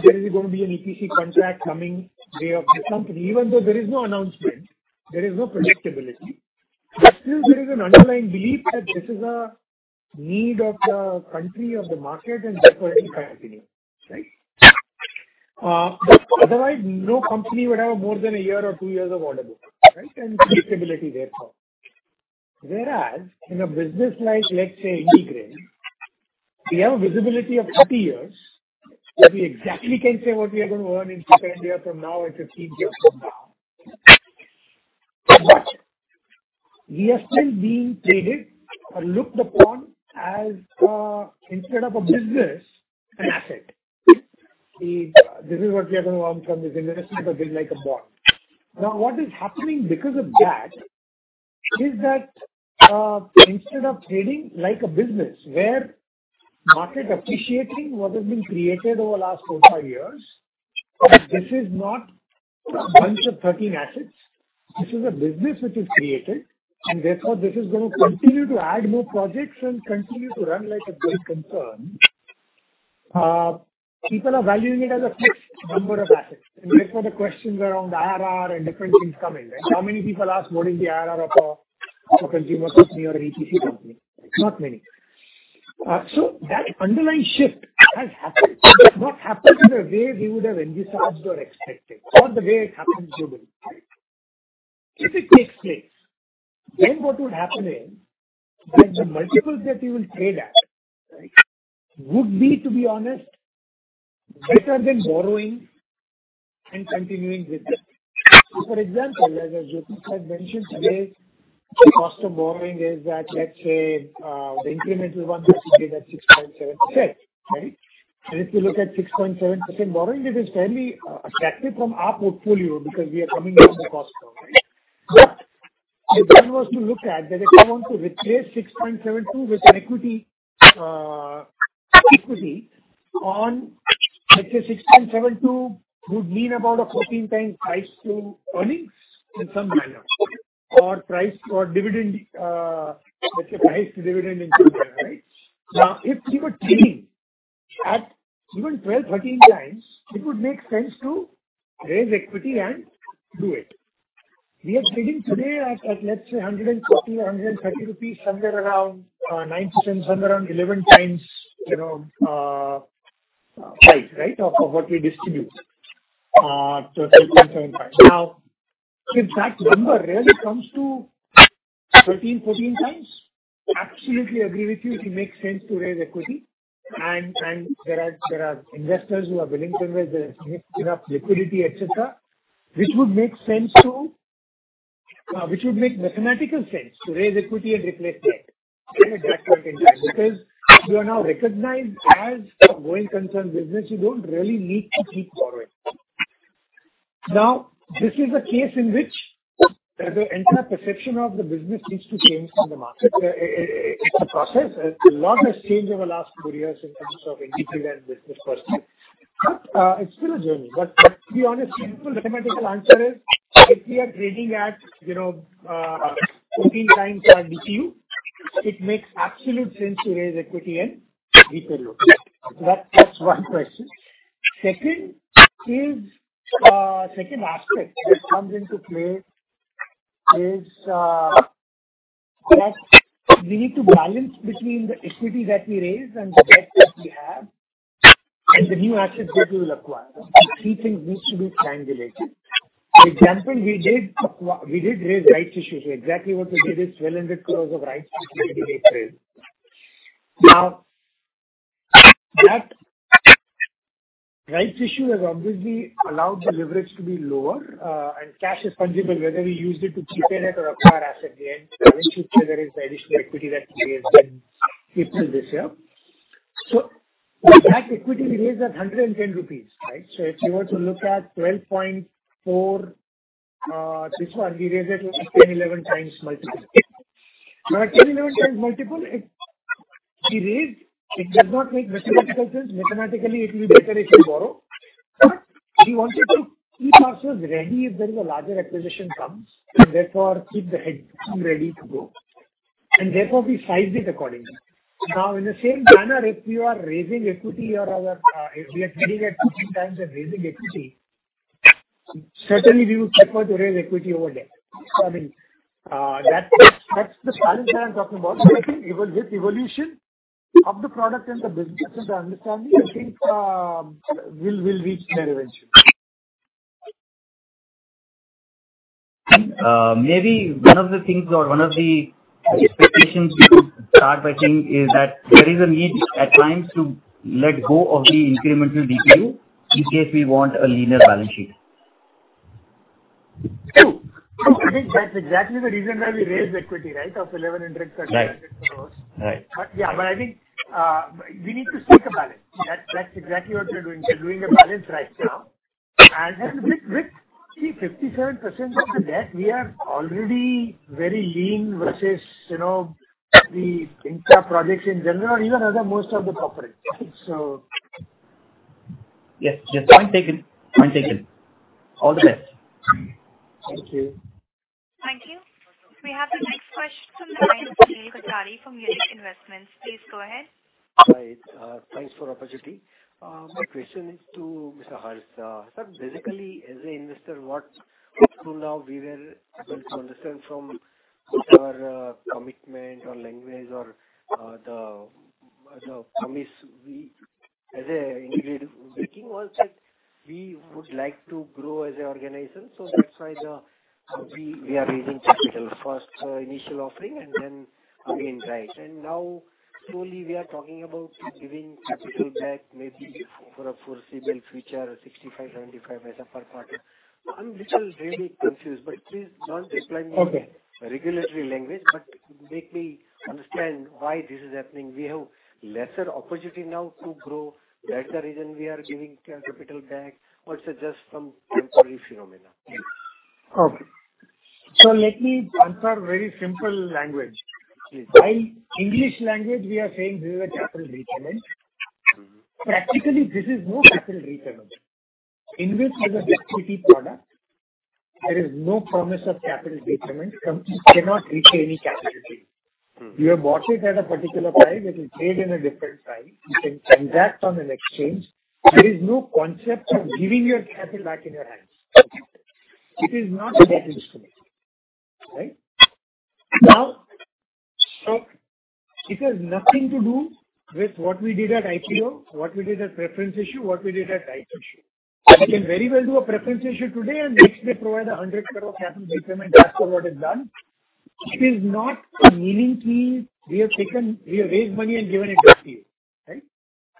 There is going to be an EPC contract coming the way of the company. Even though there is no announcement, there is no predictability. Still there is an underlying belief that this is a need of the country, of the market, and therefore it will continue, right? Otherwise, no company would have more than a year or two years of order book, right? Predictability, therefore. Whereas in a business like, let's say, IndiGrid, we have a visibility of 30 years that we exactly can say what we are going to earn in second year from now and 15 years from now. We are still being traded or looked upon as, instead of a business, an asset. This is what we are gonna earn from this investment, a bit like a bond. Now, what is happening because of that is that, instead of trading like a business where market appreciating what has been created over last four, five years, this is not a bunch of 13 assets. This is a business which is created, and therefore this is going to continue to add more projects and continue to run like a going concern. People are valuing it as a fixed number of assets, and therefore the questions around IRR and different things come in, right? How many people ask what is the IRR of a consumer company or an EPC company? Not many. That underlying shift has happened, but not happened in the way we would have envisaged or expected or the way it happens globally. If it takes place, then what would happen is that the multiples that you will trade at, right, would be, to be honest, better than borrowing and continuing with debt. For example, as Jyoti had mentioned today, the cost of borrowing is at, let's say, the incremental one that she gave at 6.7%, right? If you look at 6.7% borrowing, it is fairly attractive from our portfolio because we are coming down the cost curve. If one was to look at that if I want to replace 6.72 with an equity on, let's say, 6.72% would mean about a 14x price to earnings in some manner, or price for dividend, let's say price to dividend income there, right? Now, if we were trading at even 12x, 13x, it would make sense to raise equity and do it. We are trading today at let's say 150-130 rupees, somewhere around nine to 10, somewhere around 11x, you know, price right of what we distribute to a 6.7%. Now, if in fact number really comes to 13-14x, absolutely agree with you, it makes sense to raise equity. There are investors who are willing to raise the significant enough liquidity, et cetera, which would make mathematical sense to raise equity and replace debt at that point in time. Because you are now recognized as a going concern business, you don't really need to keep borrowing. Now, this is a case in which the entire perception of the business needs to change in the market. It's a process. A lot has changed over the last four years in terms of IndiGrid as business, firstly. It's still a journey. To be honest, simple mathematical answer is, if we are trading at, you know, 14x our DPU, it makes absolute sense to raise equity and redo it. That's one question. Second is, second aspect which comes into play is, that we need to balance between the equity that we raise and the debt that we have and the new assets that we will acquire. The three things needs to be time related. For example, we did raise rights issues. Exactly what we did is 1,200 crores of rights issue we raised. Now, that rights issue has obviously allowed the leverage to be lower, and cash is fungible, whether we used it to prepay debt or acquire asset at the end. In addition to that, there is the additional equity that we raised in April this year. That equity we raised at 110 rupees, right? If you were to look at 12.4x, this one we raised at 10x-11x multiple. Now, at 10x-11x multiple, it does not make mathematical sense. Mathematically, it'll be better if we borrow. We wanted to keep ourselves ready if there is a larger acquisition comes, and therefore keep the headroom ready to go. Therefore we sized it accordingly. Now, in the same manner, if we are raising equity, if we are trading at 14x and raising equity, certainly we would prefer to raise equity over debt. I mean, that's the challenge that I'm talking about. I think even with evolution of the product and the business and the understanding, I think we'll reach there eventually. Maybe one of the things or one of the expectations we could start by saying is that there is a need at times to let go of the incremental DPU in case we want a leaner balance sheet. True. I think that's exactly the reason why we raised equity, right, of 1,130 crores. Right. Right. Yeah. I think we need to strike a balance. That's exactly what we are doing. We're doing a balance right now. With 57% of the debt, we are already very lean versus, you know, the infra projects in general or even other most of the corporate. Yes. Point taken. All the best. Thank you. Thank you. We have the next question from the line of Sunil Kothari from Munich Investments. Please go ahead. Hi, thanks for the opportunity. My question is to Mr. Harsh. Sir, basically as an investor, what up to now we were going to understand from whatever commitment or language or the promise we as a individual making was that we would like to grow as an organization, so that's why we are raising capital. First initial offering and then again, right. Now slowly we are talking about giving capital back maybe for a foreseeable future, 65%-75% payout. I'm a little really confused, but please don't explain to me. Okay. Regulatory language, but make me understand why this is happening. We have lesser opportunity now to grow. That's the reason we are giving capital back or it's just some temporary phenomena? Okay. Let me answer in very simple language. Please. While in English language we are saying we have a capital repayment. Mm-hmm. Practically, this is no capital repayment. InvIT is a liquidity product. There is no promise of capital repayment. Company cannot repay any capital to you. Mm-hmm. You have bought it at a particular price. It will trade in a different price. You can transact on an exchange. There is no concept of giving your capital back in your hands. It is not a debt instrument. Right? Now, it has nothing to do with what we did at IPO, what we did at preference issue, what we did at rights issue. I can very well do a preference issue today and next day provide 100 crore capital repayment. That's what is done. It is not meant to we have taken, we have raised money and given it back to you, right?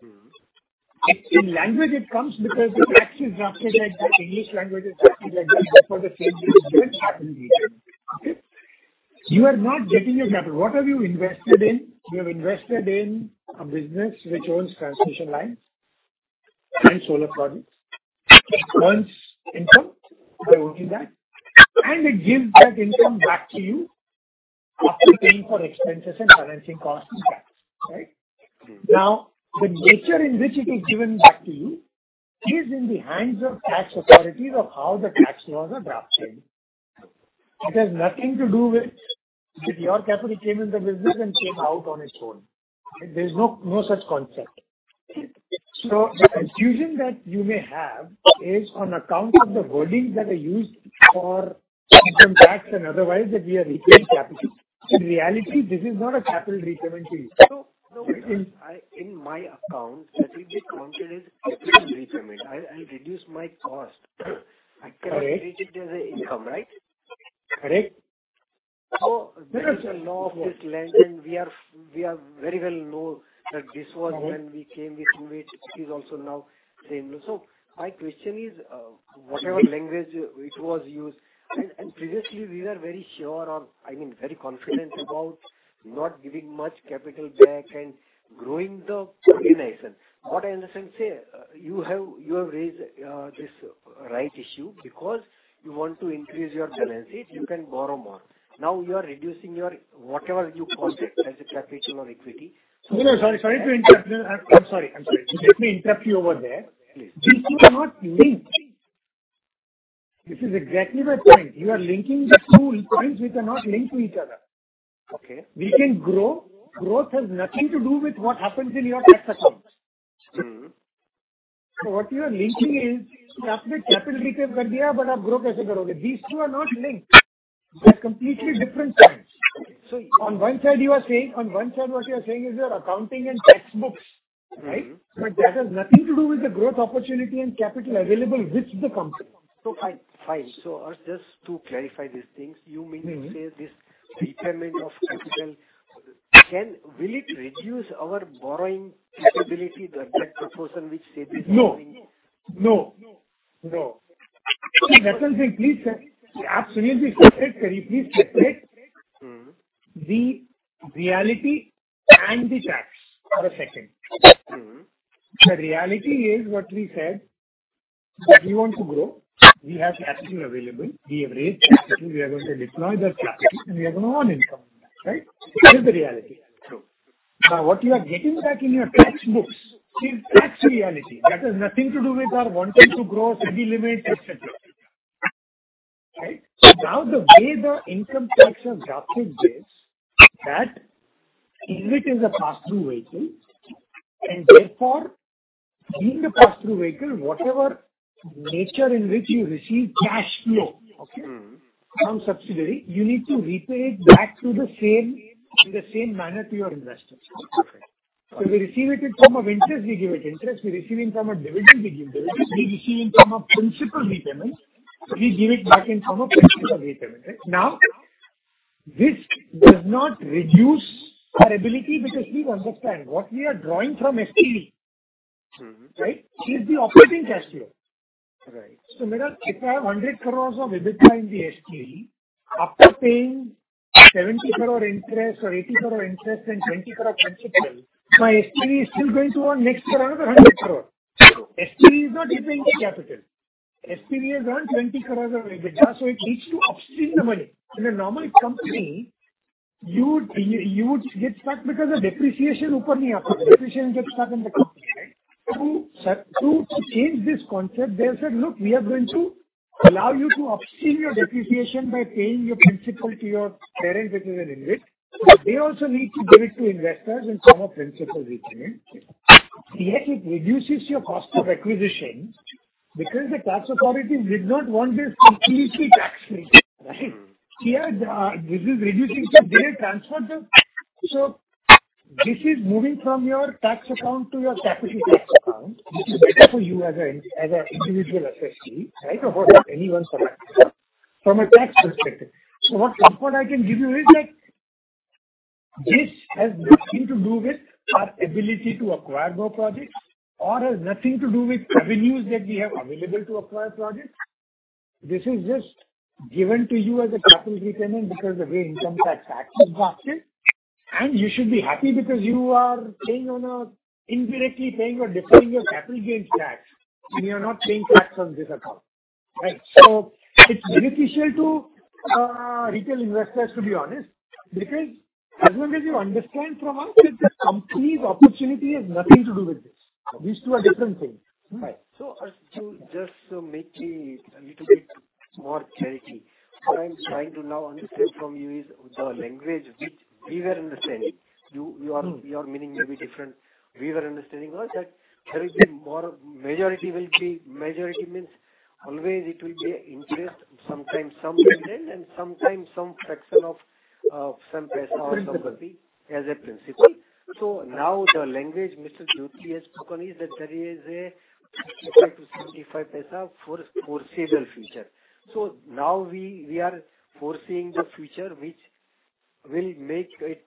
Mm-hmm. In legal language, it comes because the tax is drafted in the English language just for the sake we use the word capital repayment. Okay? You are not getting your capital. What have you invested in? You have invested in a business which owns transmission lines and solar projects. It earns income by working that, and it gives that income back to you after paying for expenses and financing costs and tax, right? Mm-hmm. Now, the nature in which it is given back to you is in the hands of tax authorities of how the tax laws are drafted. It has nothing to do with if your capital came in the business and came out on its own. There's no such concept. The confusion that you may have is on account of the wordings that are used for income tax and otherwise that we are repaying capital. In reality, this is not a capital repayment to you. No, no. In my account, that will be counted as capital repayment. I'll reduce my cost. Correct. I cannot treat it as a income, right? Correct. This is a law of this land, and we are very well aware that this was when we came with InvIT. It is also now same law. My question is, whatever language it was used, and previously we were very sure or, I mean, very confident about not giving much capital back and growing the organization. What I understand, you have raised this rights issue because you want to increase your balance sheet. You can borrow more. Now you are reducing your, whatever you call it as a capital or equity. No, sorry to interrupt. No, I'm sorry. Just let me interrupt you over there. Please. These two are not linked. This is exactly the point. You are linking the two points which are not linked to each other. Okay. We can grow. Growth has nothing to do with what happens in your tax accounts. Mm-hmm. What you are linking is, these two are not linked. They're completely different things. Okay. On one side you are saying, on one side what you are saying is your accounting and tax books, right? Mm-hmm. That has nothing to do with the growth opportunity and capital available with the company. Fine. Or just to clarify these things, you mean to say this repayment of capital, will it reduce our borrowing capability to that proportion which say we- No. See, that's something, please, absolutely separate. Can you please separate- Mm-hmm. The reality and the tax for a second? Mm-hmm. The reality is what we said, that we want to grow. We have capital available. We have raised capital. We are going to deploy that capital, and we are going to earn income from that, right? This is the reality. True. Now, what you are getting back in your tax books is tax reality. That has nothing to do with our wanting to grow, SEBI limit, et cetera. Right? Now the way the income tax are drafted is that InvIT is a pass-through vehicle, and therefore being a pass-through vehicle, whatever nature in which you receive cash flow- Okay. From subsidiary, you need to repay it back to the same, in the same manner to your investors. Okay. We receive it in form of interest, we give it interest. We receive in form of dividend, we give dividend. We receive in form of principal repayments, we give it back in form of principal repayment. Right? Now, this does not reduce our ability because please understand, what we are drawing from SPV- Mm-hmm. Right? Is the operating cash flow. Right. Madam, if I have 100 crores of EBITDA in the SPV, after paying 70 crore interest or 80 crore interest and 20 crore principal, my SPV is still going to earn next year another 100 crore. SPV is not repaying the capital. SPV has earned 20 crores of EBITDA, so it needs to upstream the money. In a normal company, you would get stuck because the depreciation gets stuck in the company to change this concept, they said, "Look, we are going to allow you to offset your depreciation by paying your principal to your parent, which is an InvIT. They also need to give it to investors and some of principal repayment. Yet it reduces your cost of acquisition because the tax authority did not want this completely tax free. Right? Mm-hmm. Here, this is reducing. This is moving from your tax account to your capital gains account, which is better for you as an individual assessee, right? Or anyone for that matter, from a tax perspective. What support I can give you is that this has nothing to do with our ability to acquire more projects or has nothing to do with revenues that we have available to acquire projects. This is just given to you as a capital repayment because the way Income Tax Act is drafted, and you should be happy because you are indirectly paying or deferring your capital gains tax, and you are not paying tax on this account. Right? It's beneficial to retail investors, to be honest, because as long as you understand from us that the company's opportunity has nothing to do with this. These two are different things. Right. To just make it a little bit more clarity, what I'm trying to now understand from you is the language which we were understanding. Your meaning may be different. We were understanding was that there will be majority. Majority means always it will be interest, sometimes some dividend and sometimes some fraction of some paisa or some rupee as a principal. Now the language Mr. Jyoti has spoken is that there is INR 0.50-INR 0.75 for foreseeable future. Now we are foreseeing the future which will make it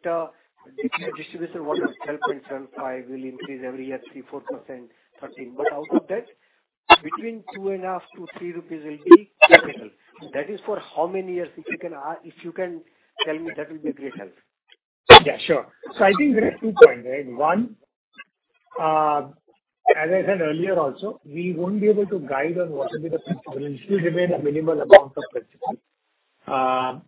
distribution what is 12.75 will increase every year 3%-4% 13. But out of that between 2.5-3 rupees will be capital. That is for how many years? If you can tell me, that will be a great help. Yeah, sure. I think there are two points, right? One, as I said earlier also, we won't be able to guide on what will be the principal. It should remain a minimal amount of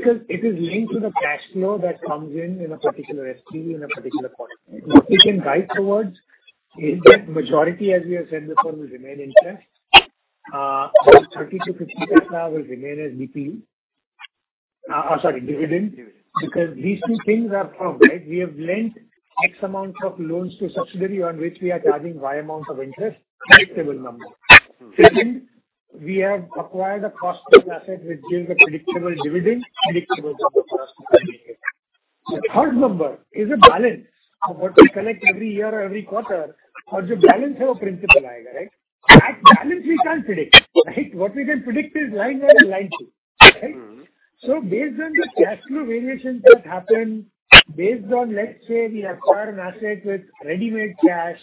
principal, because it is linked to the cash flow that comes in in a particular SPV in a particular quarter. What we can guide towards is that majority, as we have said before, will remain interest. 0.30-0.50 will remain as DPU. Sorry, dividend. Dividend. Because these two things are firm, right? We have lent X amount of loans to subsidiary on which we are charging Y amount of interest, predictable number. Mm-hmm. Second, we have acquired a class of asset which gives a predictable dividend, predictable number for us to pay. The third number is a balance of what we collect every year or every quarter. Our principal balance, right? That balance we can't predict, right? What we can predict is line one and line two, right? Mm-hmm. Based on the cash flow variations that happen, based on, let's say, we acquire an asset with readymade cash,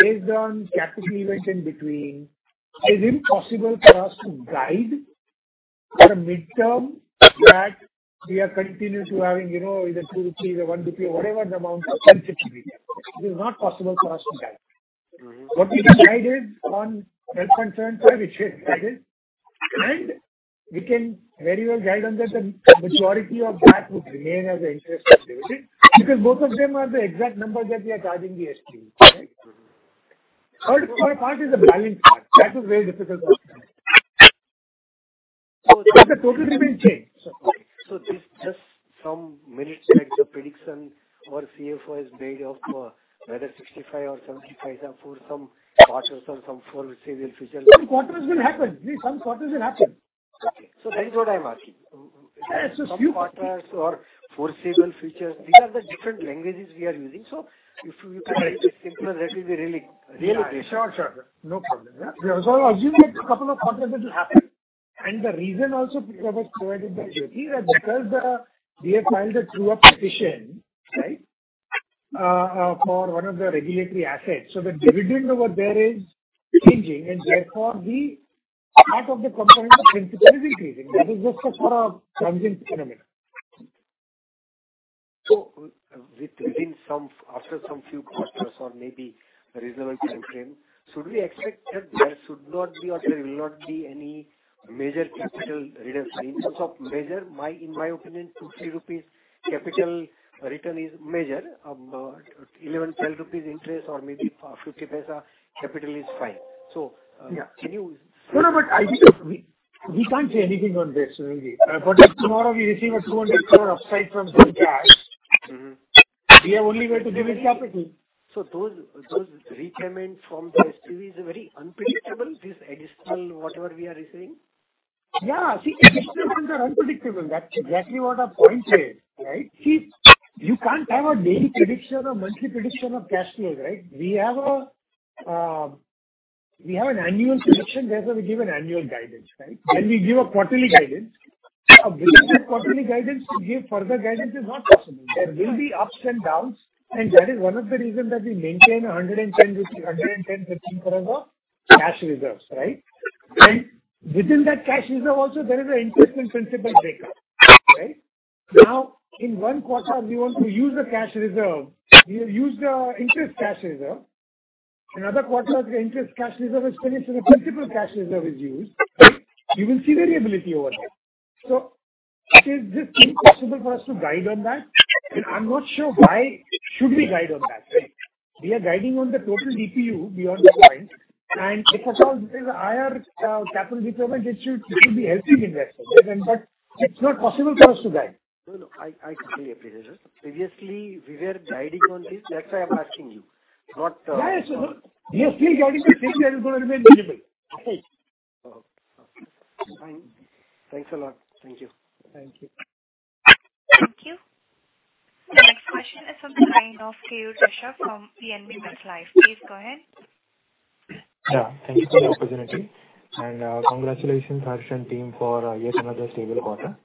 based on capital event in between, it is impossible for us to guide at a midterm that we are continuous to having, you know, either 2 rupees or 1 rupee or whatever the amount of sensitivity. It is not possible for us to guide. Mm-hmm. What we can guide is on INR 12.75, which is guided, and we can very well guide on that the majority of that would remain as an interest or dividend, because both of them are the exact number that we are charging the SPV, right? Third part is the balance part. That is very difficult for us. The total remains unchanged. Some minutes back, the prediction our CFO has made of whether 65% or 75% for some quarters or some foreseeable future. Some quarters will happen. Okay. That is what I'm asking. Yes. Some quarters or foreseeable futures, these are the different languages we are using. If you can make it simpler, that will be really, really nice. Yeah, sure. No problem. Yeah. Assume that couple of quarters it will happen. The reason also was provided by Jyoti that because the, we have filed a true-up petition, right? For one of the regulatory assets. The dividend over there is changing, and therefore the part of the component of principal is increasing. That is just a sort of transient phenomena. After a few quarters or maybe reasonable time frame, should we expect that there should not be or there will not be any major capital returns? In terms of major, in my opinion, 2 rupees or INR 3 capital return is major. 11 rupees or 12 rupees interest or maybe 0.50 capital is fine. Can you- No, no, but I think we can't say anything on this, Sunil. If tomorrow we receive a INR 200 crore upside from some cash- Mm-hmm. We have only way to give you capital. Those repayments from the SPV is very unpredictable, this additional whatever we are receiving? Yeah. See, additional ones are unpredictable. That's exactly what our point is, right? See, you can't have a daily prediction or monthly prediction of cash flows, right? We have an annual prediction, therefore we give an annual guidance, right? We give a quarterly guidance. Within that quarterly guidance to give further guidance is not possible. There will be ups and downs, and that is one of the reason that we maintain 110%-110% of cash reserves, right? Within that cash reserve also there is an interest and principal breakup, right? Now, in one quarter we want to use the cash reserve, we have used the interest cash reserve. In other quarters, the interest cash reserve is finished, so the principal cash reserve is used. You will see variability over there. It is just impossible for us to guide on that. I'm not sure why should we guide on that, right? We are guiding on the total DPU beyond this point. If at all there is a higher capital deployment, it should be helping investors. It's not possible for us to guide. No, no. I completely appreciate that. Previously, we were guiding on this, that's why I'm asking you. Yeah, yeah. We are still guiding that fixed revenue is gonna remain visible. Okay. Fine. Thanks a lot. Thank you. Thank you. Thank you. The next question is from the line of Theo Krishnan from PNB MetLife. Please go ahead. Yeah. Thank you for the opportunity. Congratulations Harsh and team for yet another stable quarter.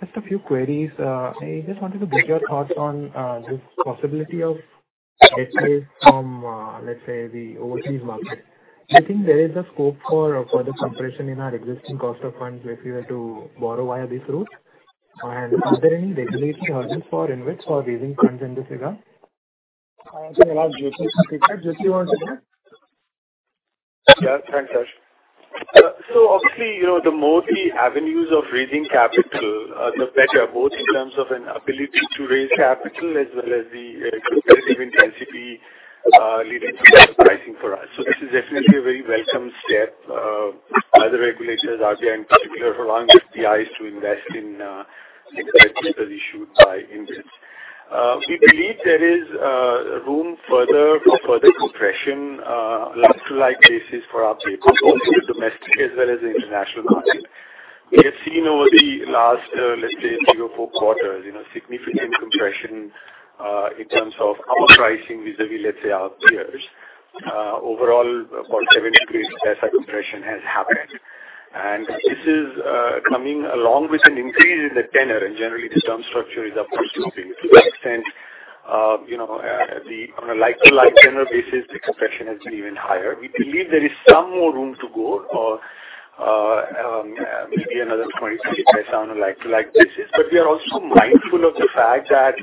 Just a few queries. I just wanted to get your thoughts on this possibility of debt raise from, let's say, the overseas market. Do you think there is a scope for further compression in our existing cost of funds if we were to borrow via this route? Are there any regulatory hurdles for InvIT or raising funds in this regard? I'll actually allow Jyoti to take that. Jyoti, you want to take that? Yeah. Thanks, Harsh. Obviously, you know, the more the avenues of raising capital, the better, both in terms of an ability to raise capital as well as the competitive intensity, leading to better pricing for us. This is definitely a very welcome step by the regulators, RBI in particular, allowing FPIs to invest in securities that are issued by InvIT. We believe there is room for further compression, like-for-like basis for our papers, both in the domestic as well as the international market. We have seen over the last, let's say three or four quarters, you know, significant compression in terms of our pricing vis-a-vis, let's say, our peers. Overall, about seven basis points compression has happened. This is coming along with an increase in the tenure, and generally the term structure is upward sloping. To that extent, you know, the on a like-to-like general basis, the compression has been even higher. We believe there is some more room to go or, maybe another 20-30 basis on a like-to-like basis. But we are also mindful of the fact that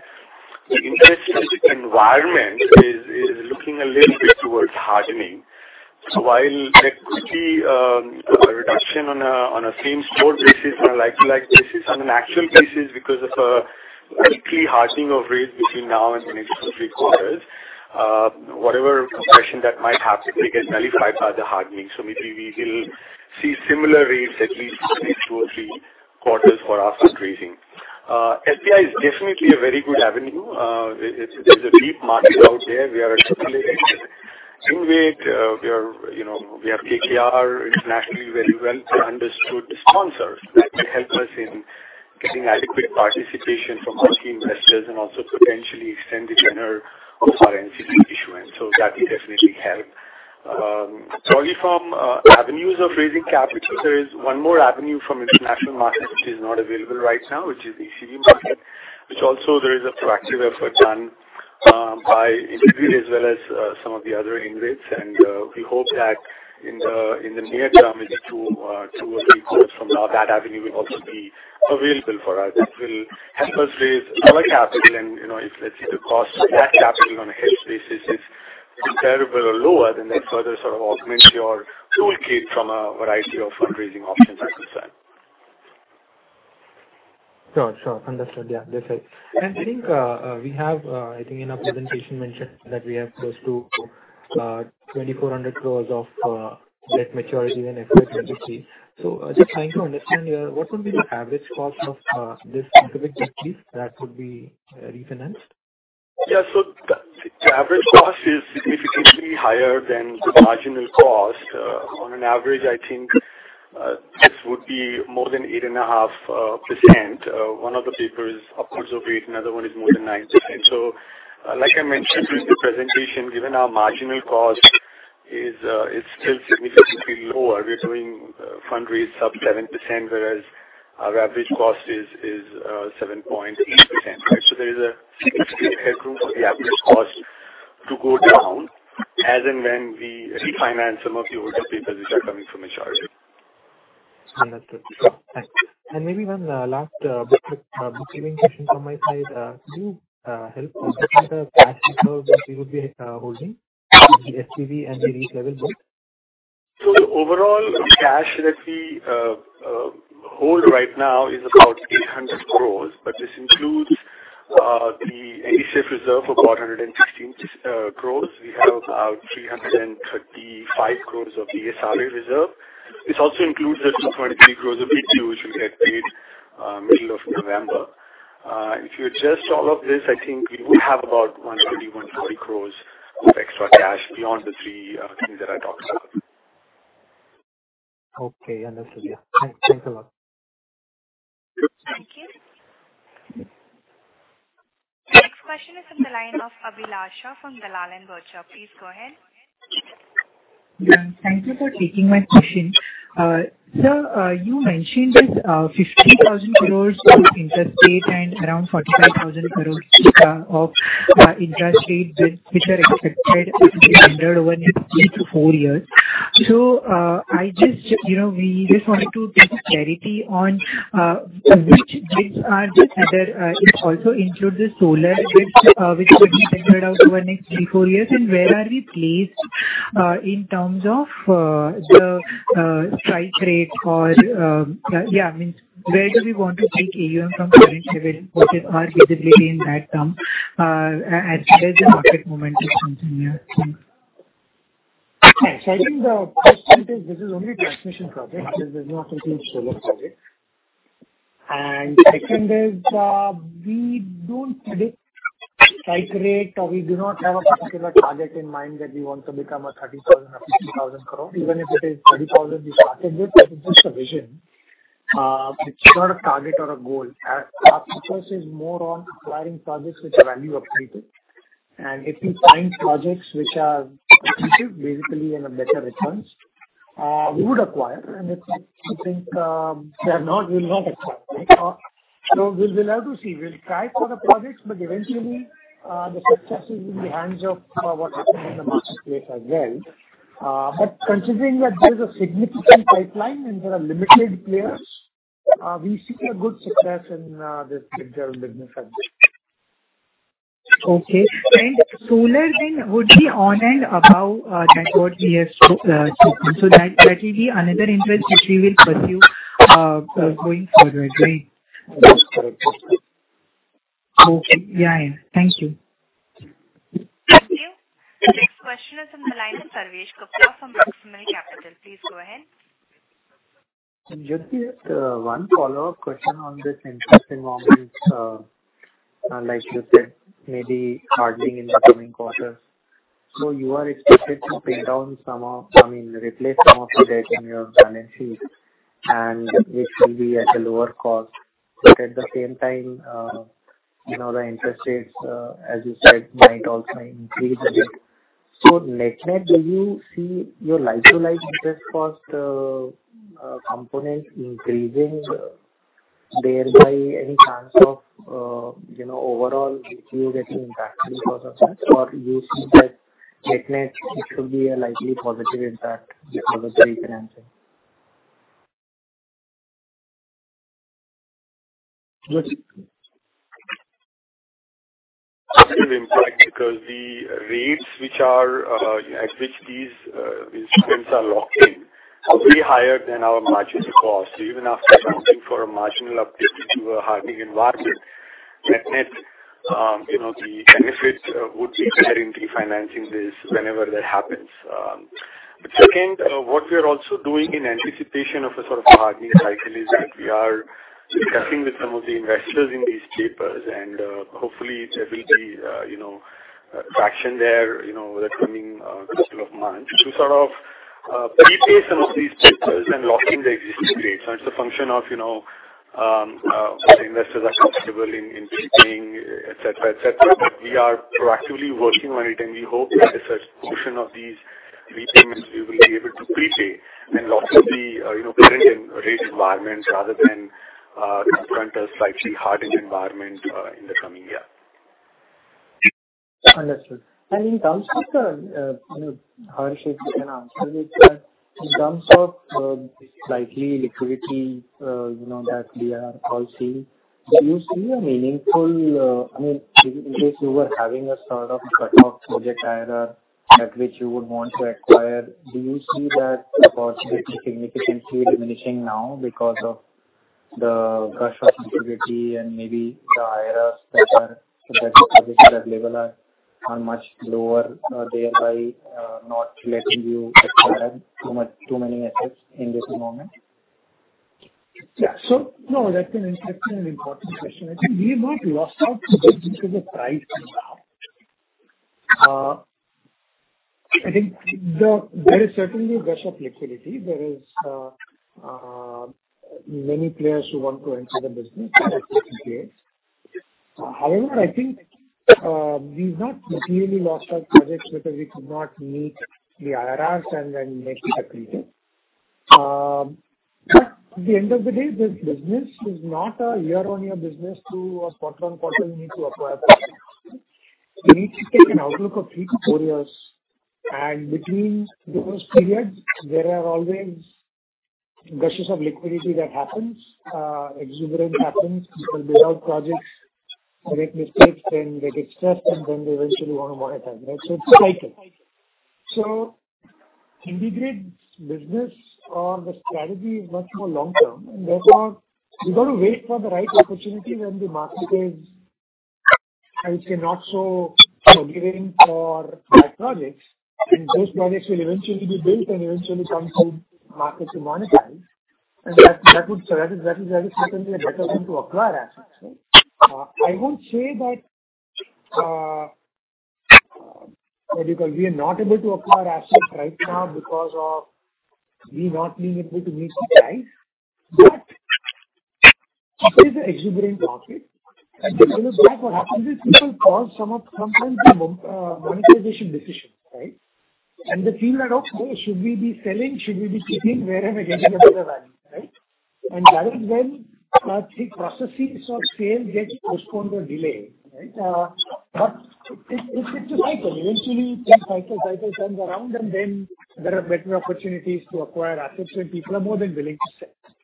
the interest rate environment is looking a little bit towards hardening. While there could be a reduction on a same sort basis, on a like-to-like basis, on an actual basis because of a likely hardening of rates between now and the next two to three quarters, whatever compression that might happen will get nullified by the hardening. Maybe we will see similar rates at least for the next two or three quarters for our fundraising. FPI is definitely a very good avenue. It's, there's a deep market out there. We are a company with InvIT. We are, you know, we have KKR, internationally very well understood sponsors that help us in getting adequate participation from FPI investors and also potentially extend the tenure of our NCD issuance. That will definitely help. Avenues of raising capital, there is one more avenue from international market which is not available right now, which is the ECB market, which also there is a proactive effort done by InvIT as well as some of the other InvITs. We hope that in the near term, maybe two or three quarters from now, that avenue will also be available for us. That will help us raise lower capital and, you know, if let's say the cost of that capital on a hedge basis is comparable or lower, then that further sort of augments your toolkit from a variety of fundraising options as we said. Sure, sure. Understood. Yeah, that's right. I think we have. I think in our presentation mentioned that we have close to 2,400 crore of debt maturity in FY 2023. Just trying to understand here, what would be the average cost of this specific debt piece that would be refinanced? Yeah. The average cost is significantly higher than the marginal cost. On an average, I think this would be more than 8.5%. One of the papers is upwards of 8%, another one is more than 9%. Like I mentioned in the presentation, given our marginal cost is still significantly lower, we're doing fundraising sub-7%, whereas our average cost is 7.8%. There is a significant headroom for the average cost to go down as and when we refinance some of the older papers which are coming from a charter. Understood. Sure. Thanks. Maybe one last bookkeeping question from my side. Could you help us with the cash reserve which we would be holding with the SPV and the lease level both? The overall cash that we hold right now is about 800 crores, but this includes the ACIF reserve of about 116 crores. We have about 335 crores of the SRA reserve. This also includes the 2.3 crores of ETU, which we get paid middle of November. If you adjust all of this, I think we would have about 150 crores of extra cash beyond the three things that I talked about. Okay. Understood. Yeah. Thanks a lot. Thank you. The next question is from the line of Abhilasha from Dalal & Broacha. Please go ahead. Yeah. Thank you for taking my question. Sir, you mentioned this 50,000 crore of infrastructure and around 45,000 crore of infrastructure which are expected to be tendered over the next three to four years. I just, you know, we just wanted to get clarity on which bids are just under it. It also includes the solar bids which could be tendered out over the next three to four years. Where are we placed in terms of the strike rate or yeah, I mean, where do we want to take AUM from current level? What is our visibility in that term as well as the market momentum from here? I think the first thing is this is only a transmission project. This does not include solar project. Second is, we don't predict strike rate or we do not have a particular target in mind that we want to become a 30,000 or 50,000 crore. Even if it is 30,000 we started with, that is just a vision. It's not a target or a goal. Our focus is more on acquiring projects which have value accretive. And if we find projects which are accretive, basically earn a better returns, we would acquire. If, I think, they are not, we'll not acquire. We'll have to see. We'll try for the projects, but eventually, the success is in the hands of, what happens in the marketplace as well. Considering that there's a significant pipeline and there are limited players, we see a good success in this particular business as well. Okay. Solar then would be on and above that what we have spoken. That will be another interest which we will pursue going forward, right? That is correct. Okay. Yeah, yeah. Thank you. Thank you. The next question is on the line from Sarvesh Gupta from Maximal Capital. Please go ahead. Jyoti, one follow-up question on this interest environment. Like you said, maybe hardening in the coming quarters. You are expected to pay down some of, I mean, replace some of the debt in your balance sheet, and this will be at a lower cost. At the same time, you know, the interest rates, as you said, might also increase a bit. Net/net do you see your like-to-like interest cost component increasing, thereby any chance of, you know, overall EBITDA getting impacted because of that? Or do you see that net/net it should be a likely positive impact because of refinancing? Let's- Positive impact because the rates at which these instruments are locked in are way higher than our marginal cost. Even after accounting for a marginal uptick due to a hardening environment, net/net, you know, the benefit would be better in refinancing this whenever that happens. Second, what we are also doing in anticipation of a sort of hardening cycle is that we are discussing with some of the investors in these papers, and, hopefully there will be, you know, traction there, you know, over the coming couple of months to sort of, prepay some of these papers and lock in the existing rates. It's a function of, you know, what the investors are comfortable in keeping, et cetera, et cetera. We are proactively working on it, and we hope that a certain portion of these repayments we will be able to prepay and lock in the, you know, current interest rate environment rather than confront a slightly harder environment in the coming year. Understood. In terms of the, you know, Harsh, if you can answer this one. In terms of slight liquidity, you know, that we are all seeing, do you see a meaningful? I mean, in case you were having a sort of cut off project IRR at which you would want to acquire, do you see that opportunity significantly diminishing now because of the gush of liquidity and maybe the IRRs that are, the projects available are much lower, thereby not letting you acquire too much, too many assets in this moment? Yeah. No, that's an important question. I think we've not lost out projects because of price till now. I think there is certainly a gush of liquidity. There is many players who want to enter the business, especially CPSEs. However, I think we've not really lost our projects because we could not meet the IRRs and then make it accretive. At the end of the day, this business is not a year-over-year business or quarter-over-quarter you need to acquire projects. You need to take an outlook of three to four years. Between those periods, there are always gushes of liquidity that happens, exuberance happens. People build out projects, they make mistakes, then they get stressed, and then they eventually wanna monetize, right? It's a cycle. IndiGrid's business or the strategy is much more long-term, and therefore we've got to wait for the right opportunity when the market is, I would say, not so forgiving for bad projects, and those projects will eventually be built and eventually come to market to monetize. That is certainly a better time to acquire assets, right? I won't say that we are not able to acquire assets right now because of we not being able to meet the price. This is an exuberant market, and therefore what happens is people pause some, sometimes, monetization decisions, right? They feel that, "Oh, should we be selling? Should we be keeping? Where am I getting a better value?" Right? That is when the processes of sale get postponed or delayed, right? It's a cycle. Eventually that cycle turns around and then there are better opportunities to acquire assets when people are more than willing to sell.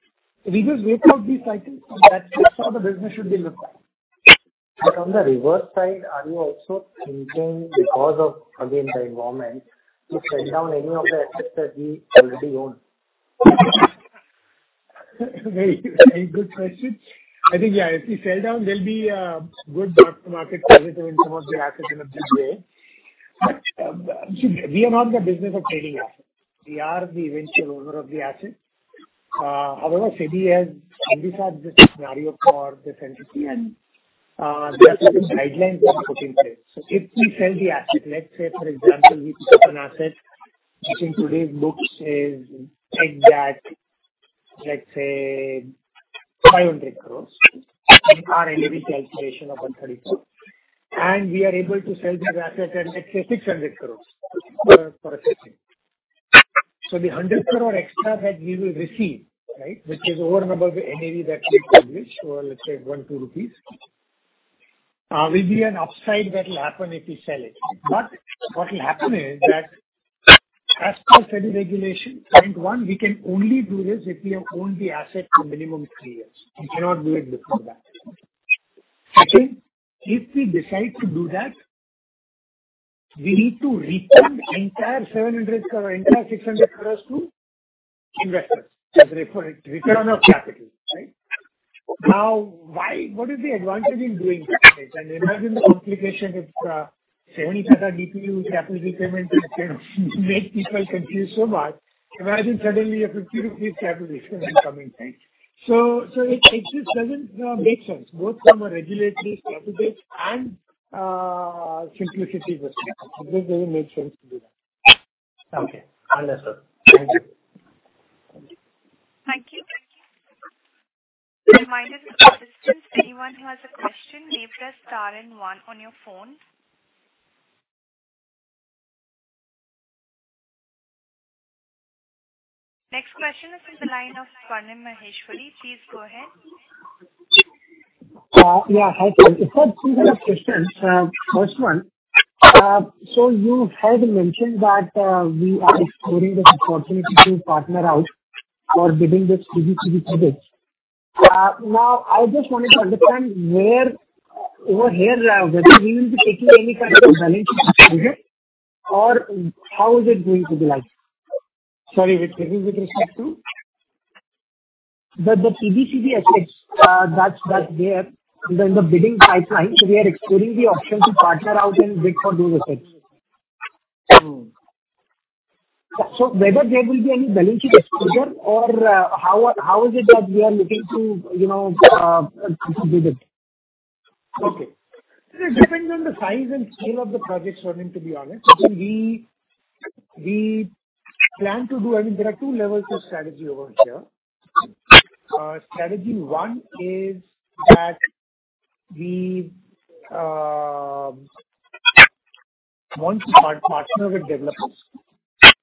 We just wait out these cycles, and that's just how the business should be looked at. On the reverse side, are you also thinking because of, again, the environment to sell down any of the assets that we already own? Very, very good question. I think, yeah, if we sell down, there'll be a good mark-to-market credit in some of the assets in a big way. But see, we are not in the business of trading assets. We are the eventual owner of the asset. However, SEBI has envisaged this scenario for this entity, and there are certain guidelines they have put in place. So if we sell the asset, let's say for example we took an asset which in today's books is, take that, let's say 500 crore in our NAV calculation of 134, and we are able to sell this asset at, let's say, 600 crore for assessing. The 100 crore extra that we will receive, right, which is over and above the NAV that we publish or let's say 1-2 rupees, will be an upside that will happen if we sell it. What will happen is that as per SEBI regulation, point one, we can only do this if we have owned the asset for minimum three years. We cannot do it before that. Second, if we decide to do that, we need to return the entire 700 crore, entire 600 crore to investors as a return of capital, right? What is the advantage in doing that? Imagine the complication if 70% DPU capital repayment can make people confused so much. Imagine suddenly a 50/50 capital return coming, right? It just doesn't make sense, both from a regulatory perspective and simplicity perspective. It just doesn't make sense to do that. Okay. Understood. Thank you. Thank you. A reminder to participants, anyone who has a question, may press star and one on your phone. Next question is in the line of Swarnim Maheshwari. Please go ahead. Yeah. Hi, sir. I've got two set of questions. First one, you had mentioned that we are exploring this opportunity to partner out for bidding the TBCB projects. Now I just wanted to understand whether we will be taking any kind of balance sheet exposure or how is it going to be like? Sorry, with respect to? The TBCB assets that they have. They're in the bidding pipeline, so we are exploring the option to partner out and bid for those assets. Whether there will be any balance sheet exposure or how is it that we are looking to, you know, to bid it? Okay. It depends on the size and scale of the projects, Swarnim, to be honest. I think we plan to do. I mean, there are two levels of strategy over here. Strategy one is that we want to partner with developers,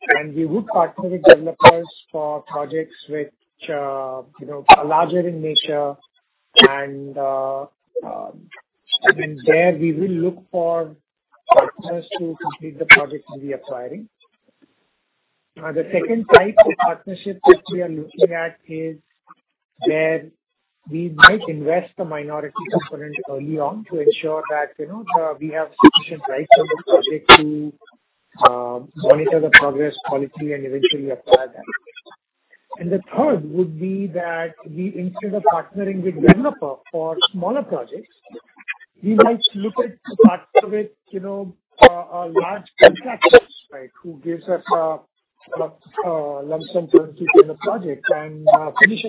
and we would partner with developers for projects which, you know, are larger in nature and there we will look for partners to complete the projects we'll be acquiring. The second type of partnership which we are looking at is where we might invest a minority component early on to ensure that, you know, we have sufficient rights on the project to monitor the progress, quality and eventually acquire that. The third would be that we, instead of partnering with developer for smaller projects, we might look at to partner with, you know, a lump sum guarantee for the project and finish it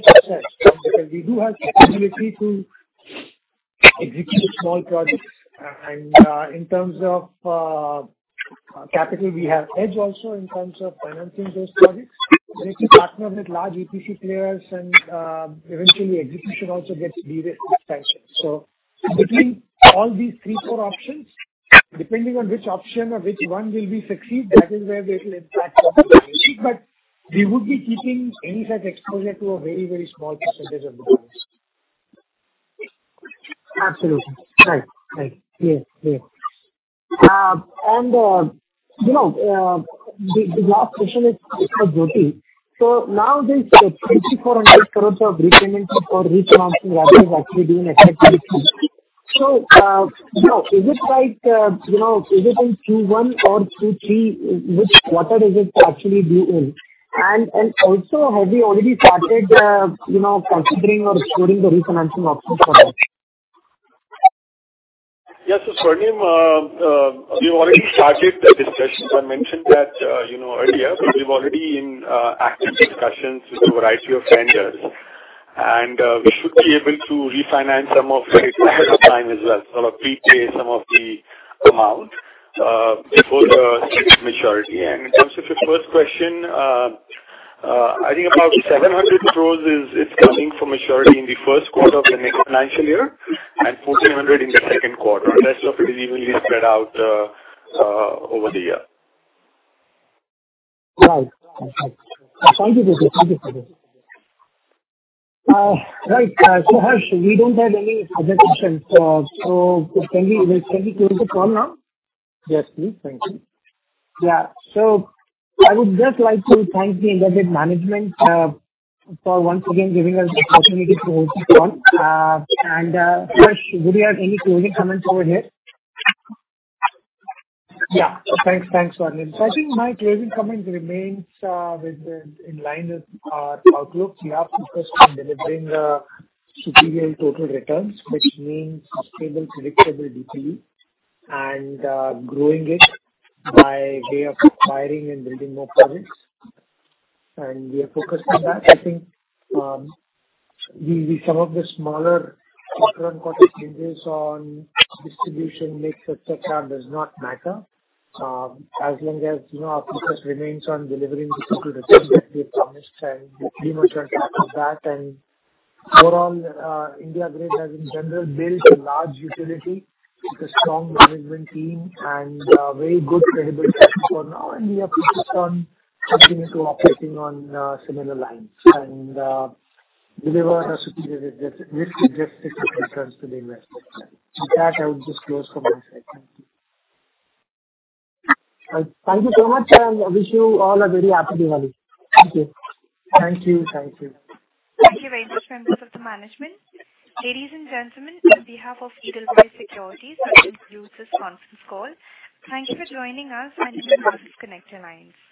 ourselves. Because we do have the ability to execute small projects and in terms of capital, we have edge also in terms of financing those projects. If you partner with large EPC players and eventually execution also gets de-risked substantially. Between all these three, four options, depending on which option or which one will be succeed, that is where it'll impact our balance sheet. But we would be keeping any such exposure to a very, very small percentage of the business. Absolutely. Right. Right. Clear. Clear. The last question is for Jyoti. Now this INR 2,400 crore of repayments or refinancing, what is actually being affected. You know, is it like, you know, is it in Q1 or Q3, which quarter is it actually due in? Also, have you already started, you know, considering or exploring the refinancing options for that? Yes. Swarnim, we've already started the discussions. I mentioned that, you know, earlier, we're already in active discussions with a variety of lenders and we should be able to refinance some of it ahead of time as well. Sort of pre-pay some of the amount before the maturity. In terms of your first question, I think about 700 crore is coming for maturity in the first quarter of the next financial year and 1,400 crore in the second quarter. Rest of it is evenly spread out over the year. Thank you. Thank you, Jyoti. Harsh, we don't have any further questions. Can we close the call now? Yes, please. Thank you. I would just like to thank the IndiGrid management for once again giving us the opportunity to host this call. Harsh, would you have any closing comments over here? Thanks. Thanks, Swarnim. I think my closing comments remain in line with our outlook. We are focused on delivering superior total returns, which means sustainable, predictable DPU and growing it by way of acquiring and building more projects. We are focused on that. I think some of the smaller quarter-on-quarter changes on distribution mix etc. does not matter, as long as, you know, our focus remains on delivering the superior returns that we have promised, and we're pretty much on top of that. Overall, IndiGrid has in general built a large utility with a strong management team and very good credibility for now, and we are focused on continuing to operating on similar lines and deliver a superior risk-adjusted returns to the investors. With that, I would just close from my side. Thank you. Thank you so much, and I wish you all a very happy Diwali. Thank you. Thank you very much, members of the management. Ladies and gentlemen, on behalf of Edelweiss Securities, that concludes this conference call. Thank you for joining us, and you may disconnect your lines.